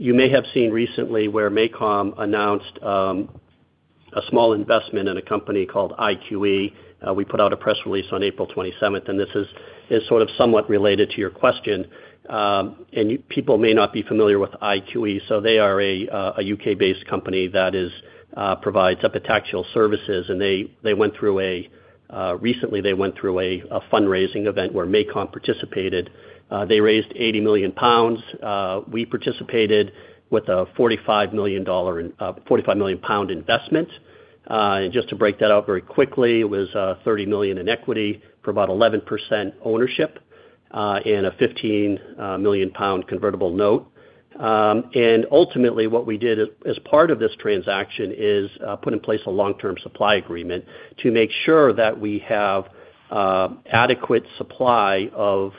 You may have seen recently where MACOM announced a small investment in a company called IQE. We put out a press release on April 27th. This is sort of somewhat related to your question. You people may not be familiar with IQE, they are a U.K.-based company that provides epitaxial services, and recently they went through a fundraising event where MACOM participated. They raised 80 million pounds. We participated with a GBP 45 million investment. Just to break that out very quickly, it was 30 million in equity for about 11% ownership, and a 15 million pound convertible note. Ultimately, what we did as part of this transaction is put in place a long-term supply agreement to make sure that we have adequate supply of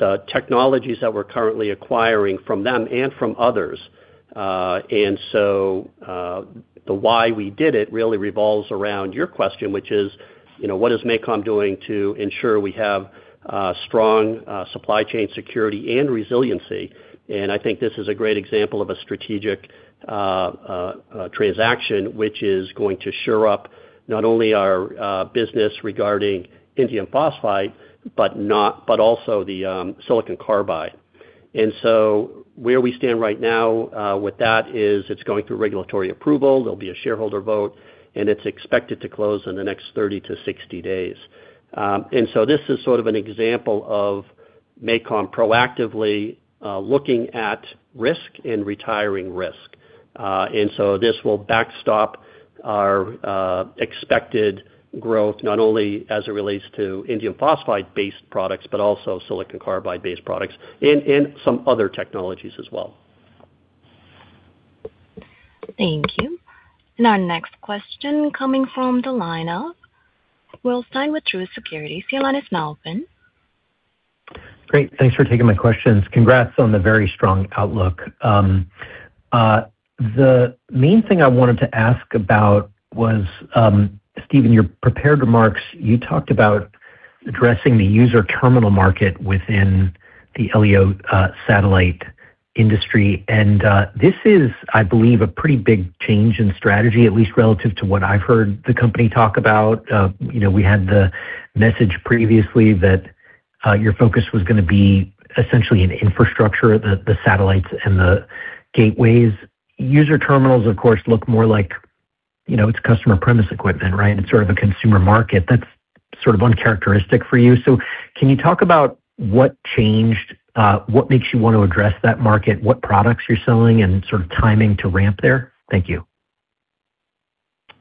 the technologies that we're currently acquiring from them and from others. The why we did it really revolves around your question, which is, you know, what is MACOM doing to ensure we have strong supply chain security and resiliency? I think this is a great example of a strategic transaction, which is going to sure up not only our business regarding indium phosphide, but also the silicon carbide. Where we stand right now with that is it's going through regulatory approval. There'll be a shareholder vote, and it's expected to close in the next 30-60 days. This is sort of an example of MACOM proactively looking at risk and retiring risk. This will backstop our expected growth, not only as it relates to indium phosphide-based products, but also silicon carbide-based products and some other technologies as well. Thank you. Our next question coming from the line of Will Stein with Truist Securities. Your line is now open. Great. Thanks for taking my questions. Congrats on the very strong outlook. The main thing I wanted to ask about was, Steve, your prepared remarks. You talked about addressing the user terminal market within the LEO satellite industry. This is, I believe, a pretty big change in strategy, at least relative to what I've heard the company talk about. You know, we had the message previously that your focus was gonna be essentially in infrastructure, the satellites and the gateways. User terminals, of course, look more like, you know, it's customer premise equipment, right? It's sort of a consumer market. That's sort of uncharacteristic for you. Can you talk about what changed, what makes you want to address that market, what products you're selling, and sort of timing to ramp there? Thank you.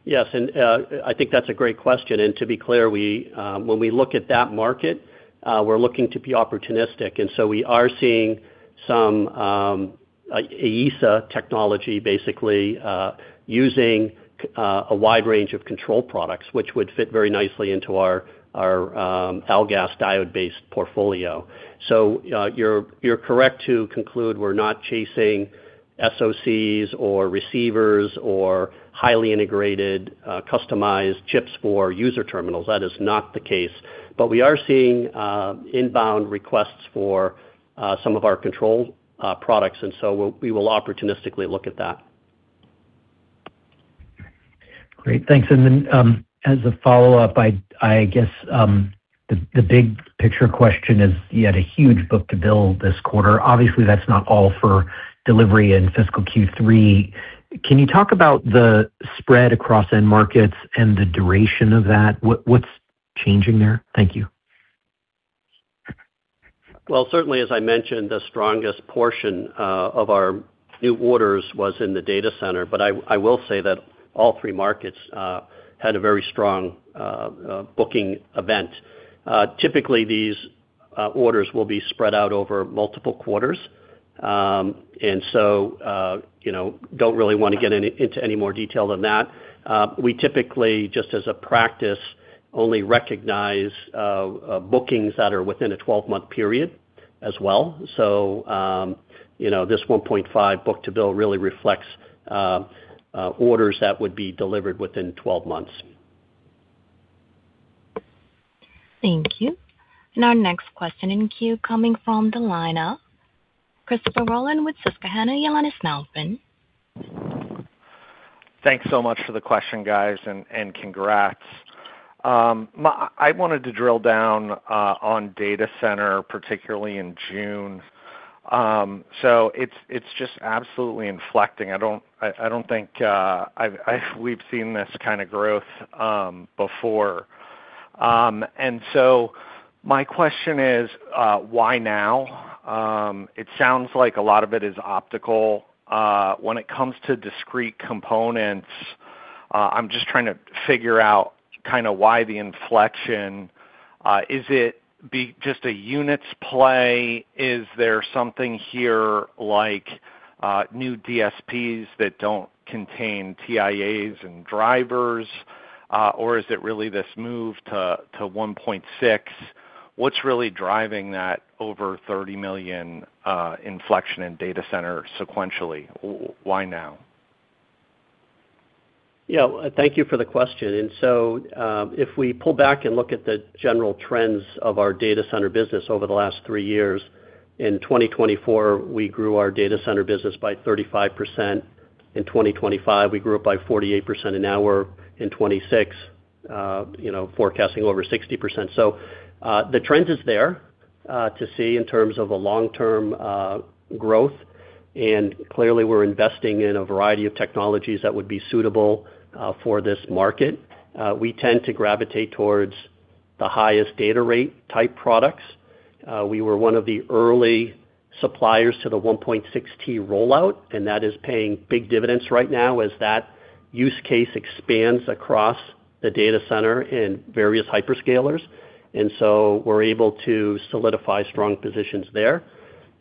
Yes, I think that's a great question. To be clear, when we look at that market, we're looking to be opportunistic. We are seeing some AESA technology basically using a wide range of control products, which would fit very nicely into our GaAs diode-based portfolio. You're correct to conclude we're not chasing SoCs or receivers or highly integrated customized chips for user terminals. That is not the case. We are seeing inbound requests for some of our control products. We will opportunistically look at that. Great. Thanks. As a follow-up, I guess, the big picture question is you had a huge book to bill this quarter. Obviously, that's not all for delivery in fiscal Q3. Can you talk about the spread across end markets and the duration of that? What's changing there? Thank you. Well, certainly, as I mentioned, the strongest portion of our new orders was in the data center, but I will say that all three markets had a very strong booking event. Typically, these orders will be spread out over multiple quarters. You know, don't really wanna get into any more detail than that. We typically, just as a practice, only recognize bookings that are within a 12-month period as well. You know, this 1.5 book to bill really reflects orders that would be delivered within 12 months. Thank you. Our next question in queue coming from the line of Christopher Rolland with Susquehanna. Your line is now open. Thanks so much for the question, guys, and congrats. I wanted to drill down on data center, particularly in June. It's just absolutely inflecting. I don't think we've seen this kinda growth before. My question is, why now? It sounds like a lot of it is optical. When it comes to discrete components, I'm just trying to figure out kinda why the inflection. Is it just a units play? Is there something here like new DSPs that don't contain TIAs and drivers? Or is it really this move to 1.6? What's really driving that over $30 million inflection in data center sequentially? Why now? Yeah. Thank you for the question. If we pull back and look at the general trends of our data center business over the last three years, in 2024, we grew our data center business by 35%. In 2025, we grew it by 48%. Now we're in 2026, you know, forecasting over 60%. The trend is there to see in terms of a long-term growth. Clearly, we're investing in a variety of technologies that would be suitable for this market. We tend to gravitate towards the highest data rate type products. We were one of the early suppliers to the 1.6T rollout, and that is paying big dividends right now as that use case expands across the data center in various hyperscalers. We're able to solidify strong positions there.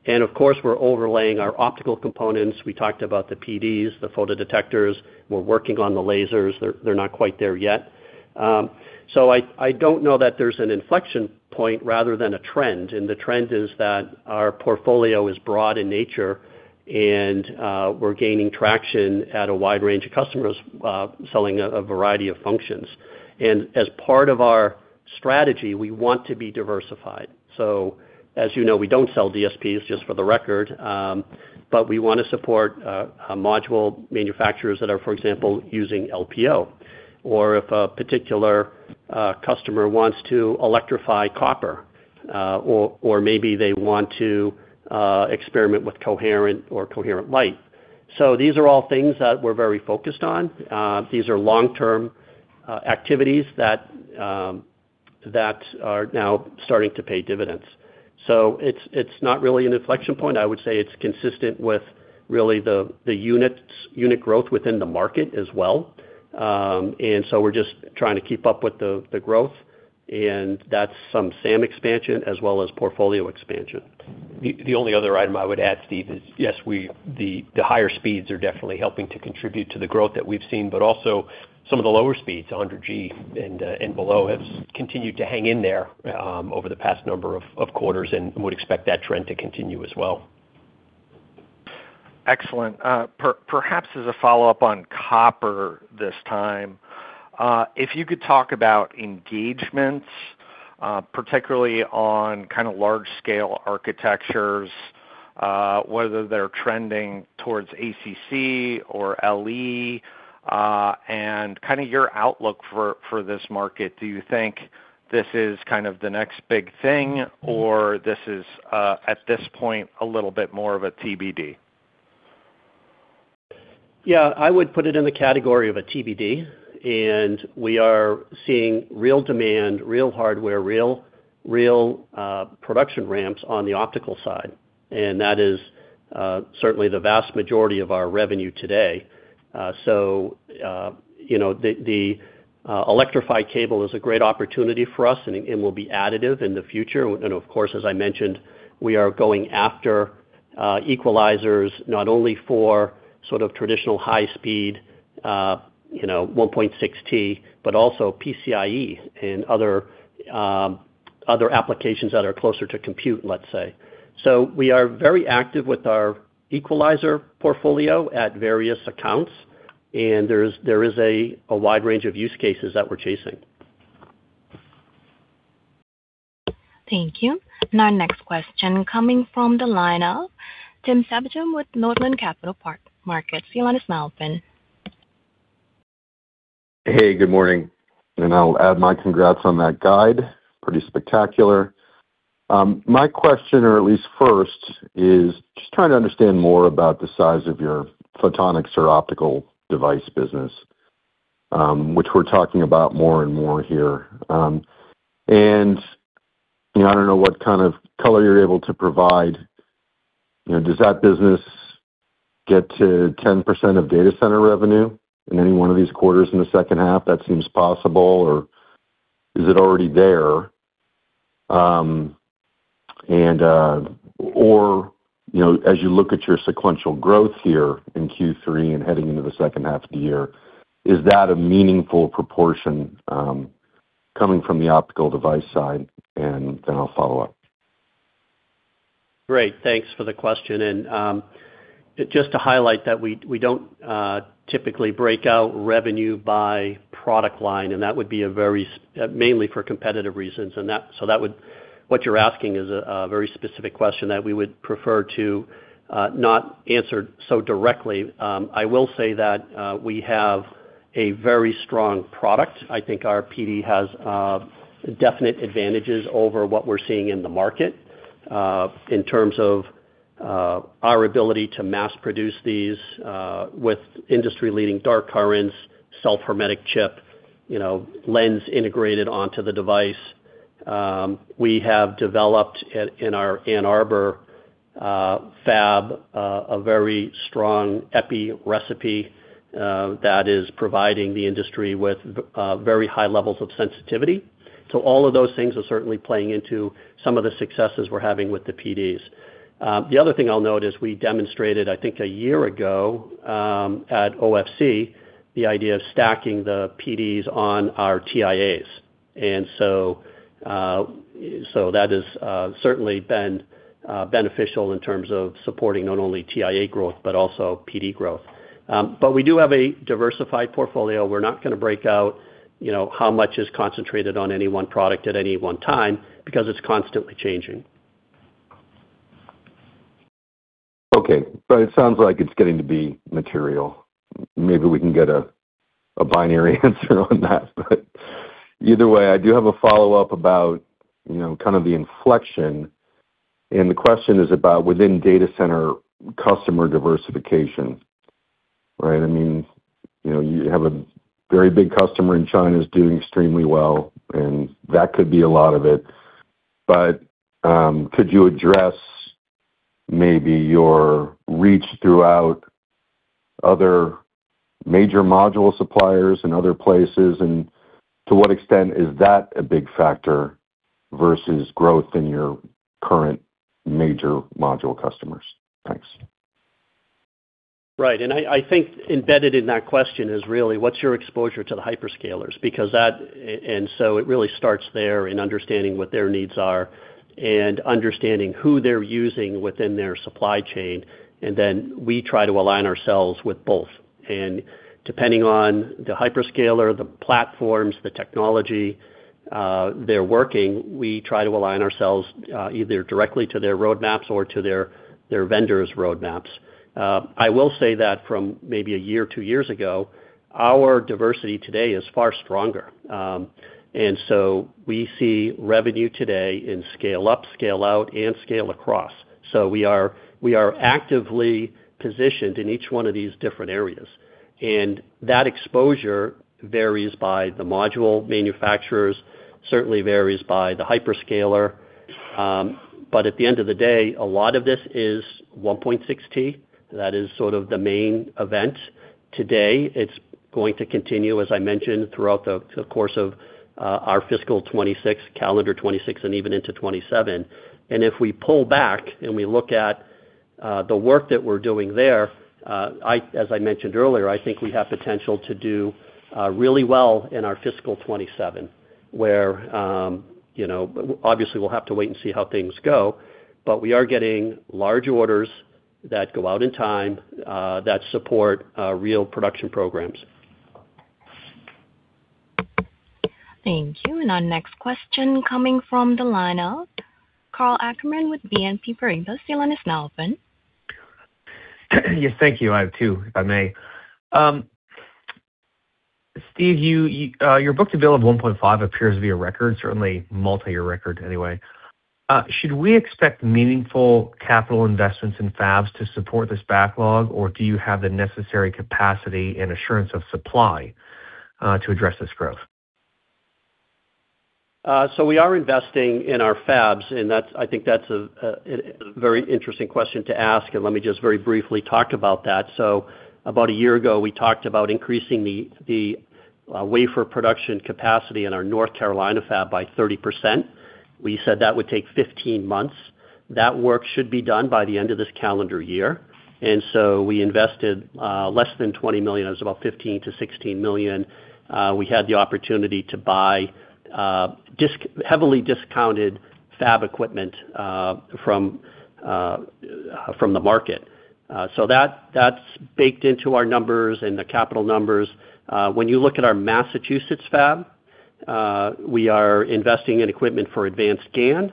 Of course, we're overlaying our optical components. We talked about the PDs, the photodetectors. We're working on the lasers. They're not quite there yet. I don't know that there's an inflection point rather than a trend. The trend is that our portfolio is broad in nature, and we're gaining traction at a wide range of customers, selling a variety of functions. As part of our strategy, we want to be diversified. As you know, we don't sell DSPs, just for the record, but we want to support module manufacturers that are, for example, using LPO, or if a particular customer wants to electrify copper, or maybe they want to experiment with coherent or coherent light. These are all things that we're very focused on. These are long-term activities that are now starting to pay dividends. It's not really an inflection point. I would say it's consistent with really the unit growth within the market as well. We're just trying to keep up with the growth, and that's some SAM expansion as well as portfolio expansion. The only other item I would add, Steve, is yes, the higher speeds are definitely helping to contribute to the growth that we've seen, but also some of the lower speeds, 100G and below, have continued to hang in there over the past number of quarters and would expect that trend to continue as well. Excellent. Perhaps as a follow-up on CPO this time, if you could talk about engagements, particularly on kinda large-scale architectures, whether they're trending towards ACC or LE, and kinda your outlook for this market. Do you think this is kind of the next big thing, or this is at this point, a little bit more of a TBD? Yeah, I would put it in the category of a TBD. We are seeing real demand, real hardware, production ramps on the optical side. That is certainly the vast majority of our revenue today. You know, the electrified cable is a great opportunity for us, and it will be additive in the future. Of course, as I mentioned, we are going after equalizers not only for sort of traditional high speed, you know, 1.6T, but also PCIe and other applications that are closer to compute, let's say. We are very active with our equalizer portfolio at various accounts, and there is a wide range of use cases that we're chasing. Thank you. Our next question coming from the line of Tim Savageaux with Northland Capital Markets. Your line is now open. Hey, good morning. I'll add my congrats on that guide. Pretty spectacular. My question, or at least first, is just trying to understand more about the size of your photonics or optical device business, which we're talking about more and more here. You know, I don't know what kind of color you're able to provide. You know, does that business get to 10% of data center revenue in any one of these quarters in the second half? That seems possible. Is it already there? You know, as you look at your sequential growth here in Q3 and heading into the second half of the year, is that a meaningful proportion coming from the optical device side? Then I'll follow up. Great. Thanks for the question. Just to highlight that we don't typically break out revenue by product line, that would be mainly for competitive reasons. What you're asking is a very specific question that we would prefer to not answer so directly. I will say that we have a very strong product. I think our PD has definite advantages over what we're seeing in the market in terms of our ability to mass produce these with industry-leading dark currents, self hermetic chip, you know, lens integrated onto the device. We have developed in our Ann Arbor fab a very strong epi recipe that is providing the industry with very high levels of sensitivity. All of those things are certainly playing into some of the successes we're having with the PDs. The other thing I'll note is we demonstrated, I think, a year ago, at OFC, the idea of stacking the PDs on our TIAs. That has certainly been beneficial in terms of supporting not only TIA growth, but also PD growth. We do have a diversified portfolio. We're not gonna break out, you know, how much is concentrated on any one product at any one time because it's constantly changing. Okay. It sounds like it's getting to be material. Maybe we can get a binary answer on that. Either way, I do have a follow-up about, you know, kind of the inflection, and the question is about within data center customer diversification. Right. I mean, you know, you have a very big customer in China who's doing extremely well, and that could be a lot of it. Could you address maybe your reach throughout other major module suppliers in other places, and to what extent is that a big factor versus growth in your current major module customers? Thanks. Right. I think embedded in that question is really what's your exposure to the hyperscalers? It really starts there in understanding what their needs are and understanding who they're using within their supply chain, we try to align ourselves with both. Depending on the hyperscaler, the platforms, the technology, they're working, we try to align ourselves either directly to their roadmaps or to their vendors' roadmaps. I will say that from maybe 1 year or 2 years ago, our diversity today is far stronger. We see revenue today in scale up, scale out, and scale across. We are actively positioned in each one of these different areas, and that exposure varies by the module manufacturers, certainly varies by the hyperscaler. But at the end of the day, a lot of this is 1.6T. That is sort of the main event today. It's going to continue, as I mentioned, throughout the course of our fiscal 2026, calendar 2026 and even into 2027. If we pull back and we look at the work that we're doing there, as I mentioned earlier, I think we have potential to do really well in our fiscal 2027, where, you know, obviously, we'll have to wait and see how things go, but we are getting large orders that go out in time that support real production programs. Thank you. Our next question coming from the line of Karl Ackerman with BNP Paribas. Your line is now open. Yes, thank you. I have two, if I may. Steve, your book-to-bill of 1.5 appears to be a record, certainly multiyear record anyway. Should we expect meaningful capital investments in fabs to support this backlog, or do you have the necessary capacity and assurance of supply to address this growth? So we are investing in our fabs, and I think that's a very interesting question to ask, and let me just very briefly talk about that. About a year ago, we talked about increasing the wafer production capacity in our North Carolina fab by 30%. We said that would take 15 months. That work should be done by the end of this calendar year. We invested less than $20 million. It was about $15 million-$16 million. We had the opportunity to buy heavily discounted fab equipment from the market. That's baked into our numbers and the capital numbers. When you look at our Massachusetts fab, we are investing in equipment for advanced GaN.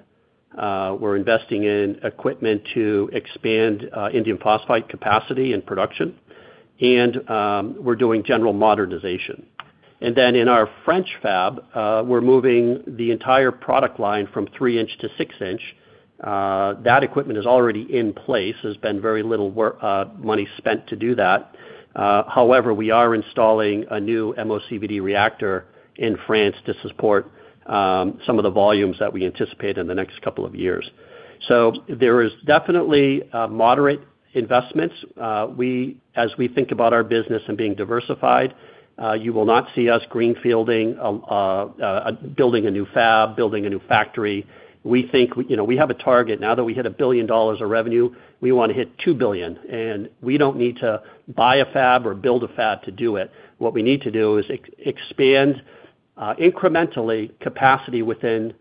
We're investing in equipment to expand indium phosphide capacity and production. We're doing general modernization. In our French fab, we're moving the entire product line from 3-inch to 6-inch. That equipment is already in place. There's been very little money spent to do that. However, we are installing a new MOCVD reactor in France to support some of the volumes that we anticipate in the next two years. There is definitely moderate investments. As we think about our business and being diversified, you will not see us greenfielding, building a new fab, building a new factory. We think, you know, we have a target. Now that we hit $1 billion of revenue, we wanna hit $2 billion, and we don't need to buy a fab or build a fab to do it. What we need to do is expand incrementally capacity within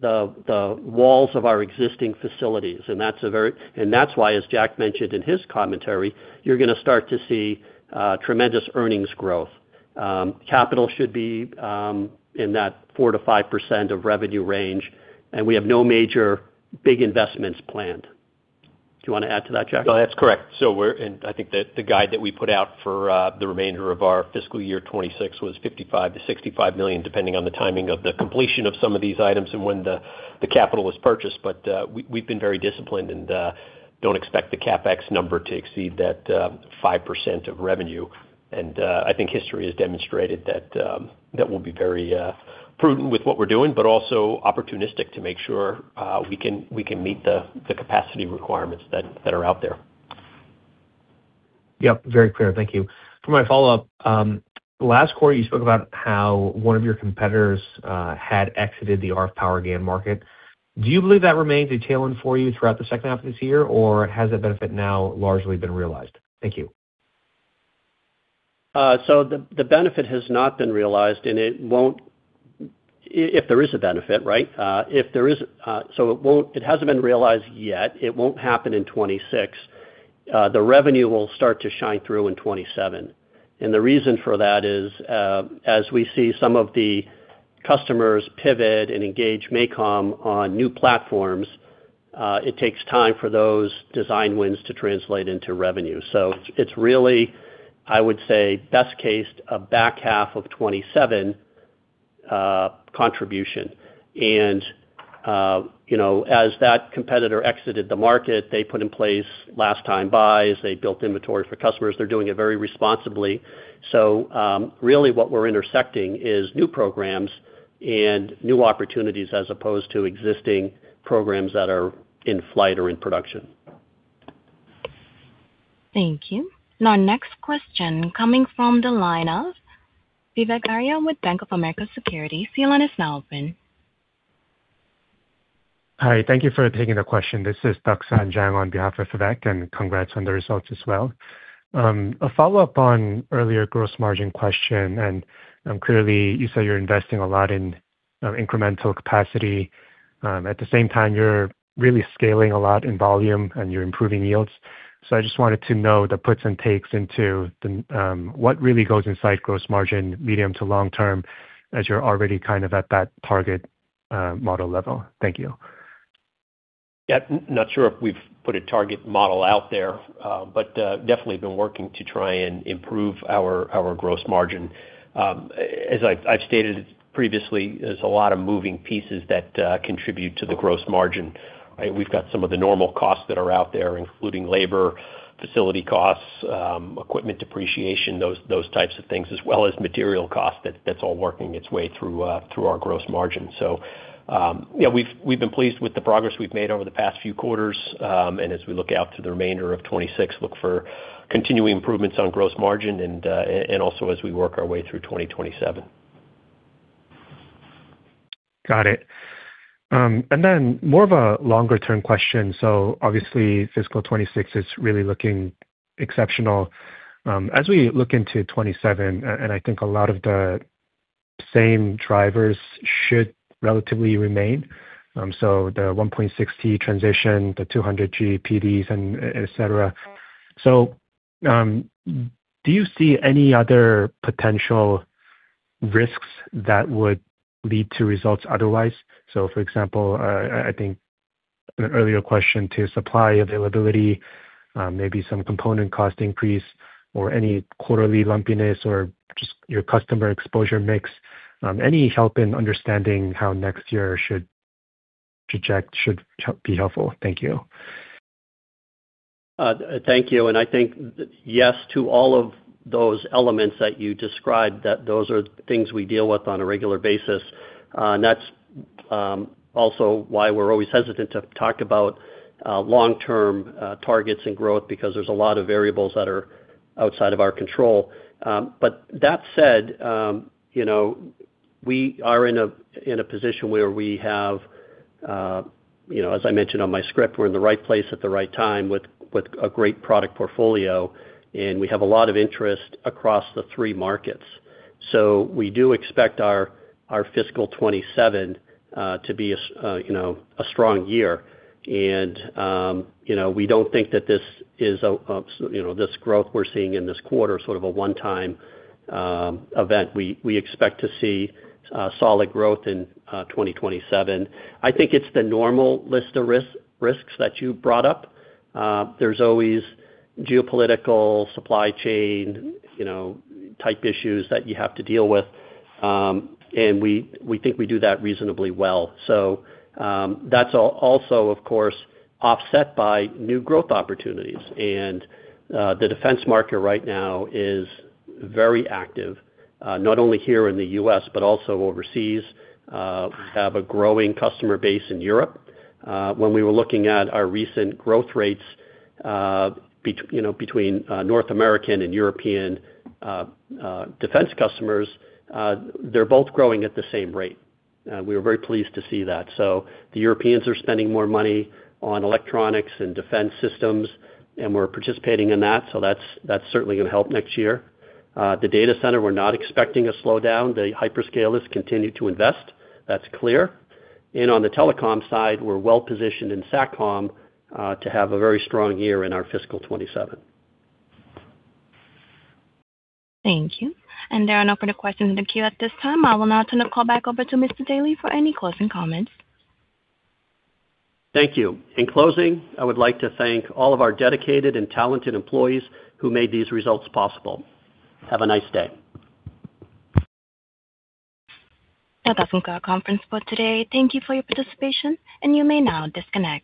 the walls of our existing facilities. That's why, as Jack mentioned in his commentary, you're gonna start to see tremendous earnings growth. Capital should be in that 4%-5% of revenue range, and we have no major big investments planned. Do you wanna add to that, Jack? That's correct. I think that the guide that we put out for the remainder of our fiscal year 2026 was $55 million-$65 million, depending on the timing of the completion of some of these items and when the capital was purchased. We've been very disciplined and don't expect the CapEx number to exceed that 5% of revenue. I think history has demonstrated that we'll be very prudent with what we're doing, but also opportunistic to make sure we can meet the capacity requirements that are out there. Yep, very clear. Thank you. For my follow-up, last quarter, you spoke about how one of your competitors had exited the RF power GaN market. Do you believe that remains a tailwind for you throughout the second half of this year, or has that benefit now largely been realized? Thank you. The benefit has not been realized, and if there is a benefit, right? If there is, it hasn't been realized yet. It won't happen in 2026. The revenue will start to shine through in 2027. The reason for that is, as we see some of the customers pivot and engage MACOM on new platforms, it takes time for those design wins to translate into revenue. It's really, I would say, best case, a back half of 2027 contribution. You know, as that competitor exited the market, they put in place last-time buys. They built inventory for customers. They're doing it very responsibly. Really what we're intersecting is new programs and new opportunities as opposed to existing programs that are in flight or in production. Thank you. Our next question coming from the line of Vivek Arya with Bank of America Securities. Your line is now open. Hi, thank you for taking the question. This is Taksh Sankhe on behalf of Vivek, and congrats on the results as well. A follow-up on earlier gross margin question, clearly you said you're investing a lot in incremental capacity. At the same time, you're really scaling a lot in volume, you're improving yields. I just wanted to know the puts and takes into the what really goes inside gross margin medium to long term as you're already kind of at that target model level. Thank you. Yeah. Not sure if we've put a target model out there, but definitely been working to try and improve our gross margin. As I've stated previously, there's a lot of moving pieces that contribute to the gross margin. We've got some of the normal costs that are out there, including labor, facility costs, equipment depreciation, those types of things, as well as material costs that's all working its way through our gross margin. Yeah, we've been pleased with the progress we've made over the past few quarters. As we look out to the remainder of 2026, look for continuing improvements on gross margin and also as we work our way through 2027. Got it. And then more of a longer-term question. Obviously fiscal 2026 is really looking exceptional. As we look into 2027, and I think a lot of the same drivers should relatively remain. The 1.6T transition, the 200G PDs and etc. Do you see any other potential risks that would lead to results otherwise? For example, I think an earlier question to supply availability, maybe some component cost increase or any quarterly lumpiness or just your customer exposure mix. Any help in understanding how next year should project should be helpful. Thank you. Thank you. I think yes to all of those elements that you described, that those are things we deal with on a regular basis. That's also why we're always hesitant to talk about long-term targets and growth because there's a lot of variables that are outside of our control. That said, you know, we are in a position where we have, you know, as I mentioned on my script, we're in the right place at the right time with a great product portfolio, and we have a lot of interest across the three markets. We do expect our fiscal 2027 to be a strong year. You know, we don't think that this is a, you know, this growth we're seeing in this quarter, sort of a one-time event. We expect to see solid growth in 2027. I think it's the normal list of risks that you brought up. There's always geopolitical supply chain, you know, type issues that you have to deal with. We think we do that reasonably well. That's also of course, offset by new growth opportunities. The defense market right now is very active, not only here in the U.S., but also overseas. Have a growing customer base in Europe. When we were looking at our recent growth rates, you know, between North American and European defense customers, they're both growing at the same rate. We were very pleased to see that. The Europeans are spending more money on electronics and defense systems, and we're participating in that's certainly gonna help next year. The data center, we're not expecting a slowdown. The hyperscalers continue to invest. That's clear. On the telecom side, we're well-positioned in SATCOM, to have a very strong year in our fiscal 2027. Thank you. There are no further questions in the queue at this time. I will now turn the call back over to Mr. Daly for any closing comments. Thank you. In closing, I would like to thank all of our dedicated and talented employees who made these results possible. Have a nice day. That concludes our conference for today. Thank you for your participation, and you may now disconnect.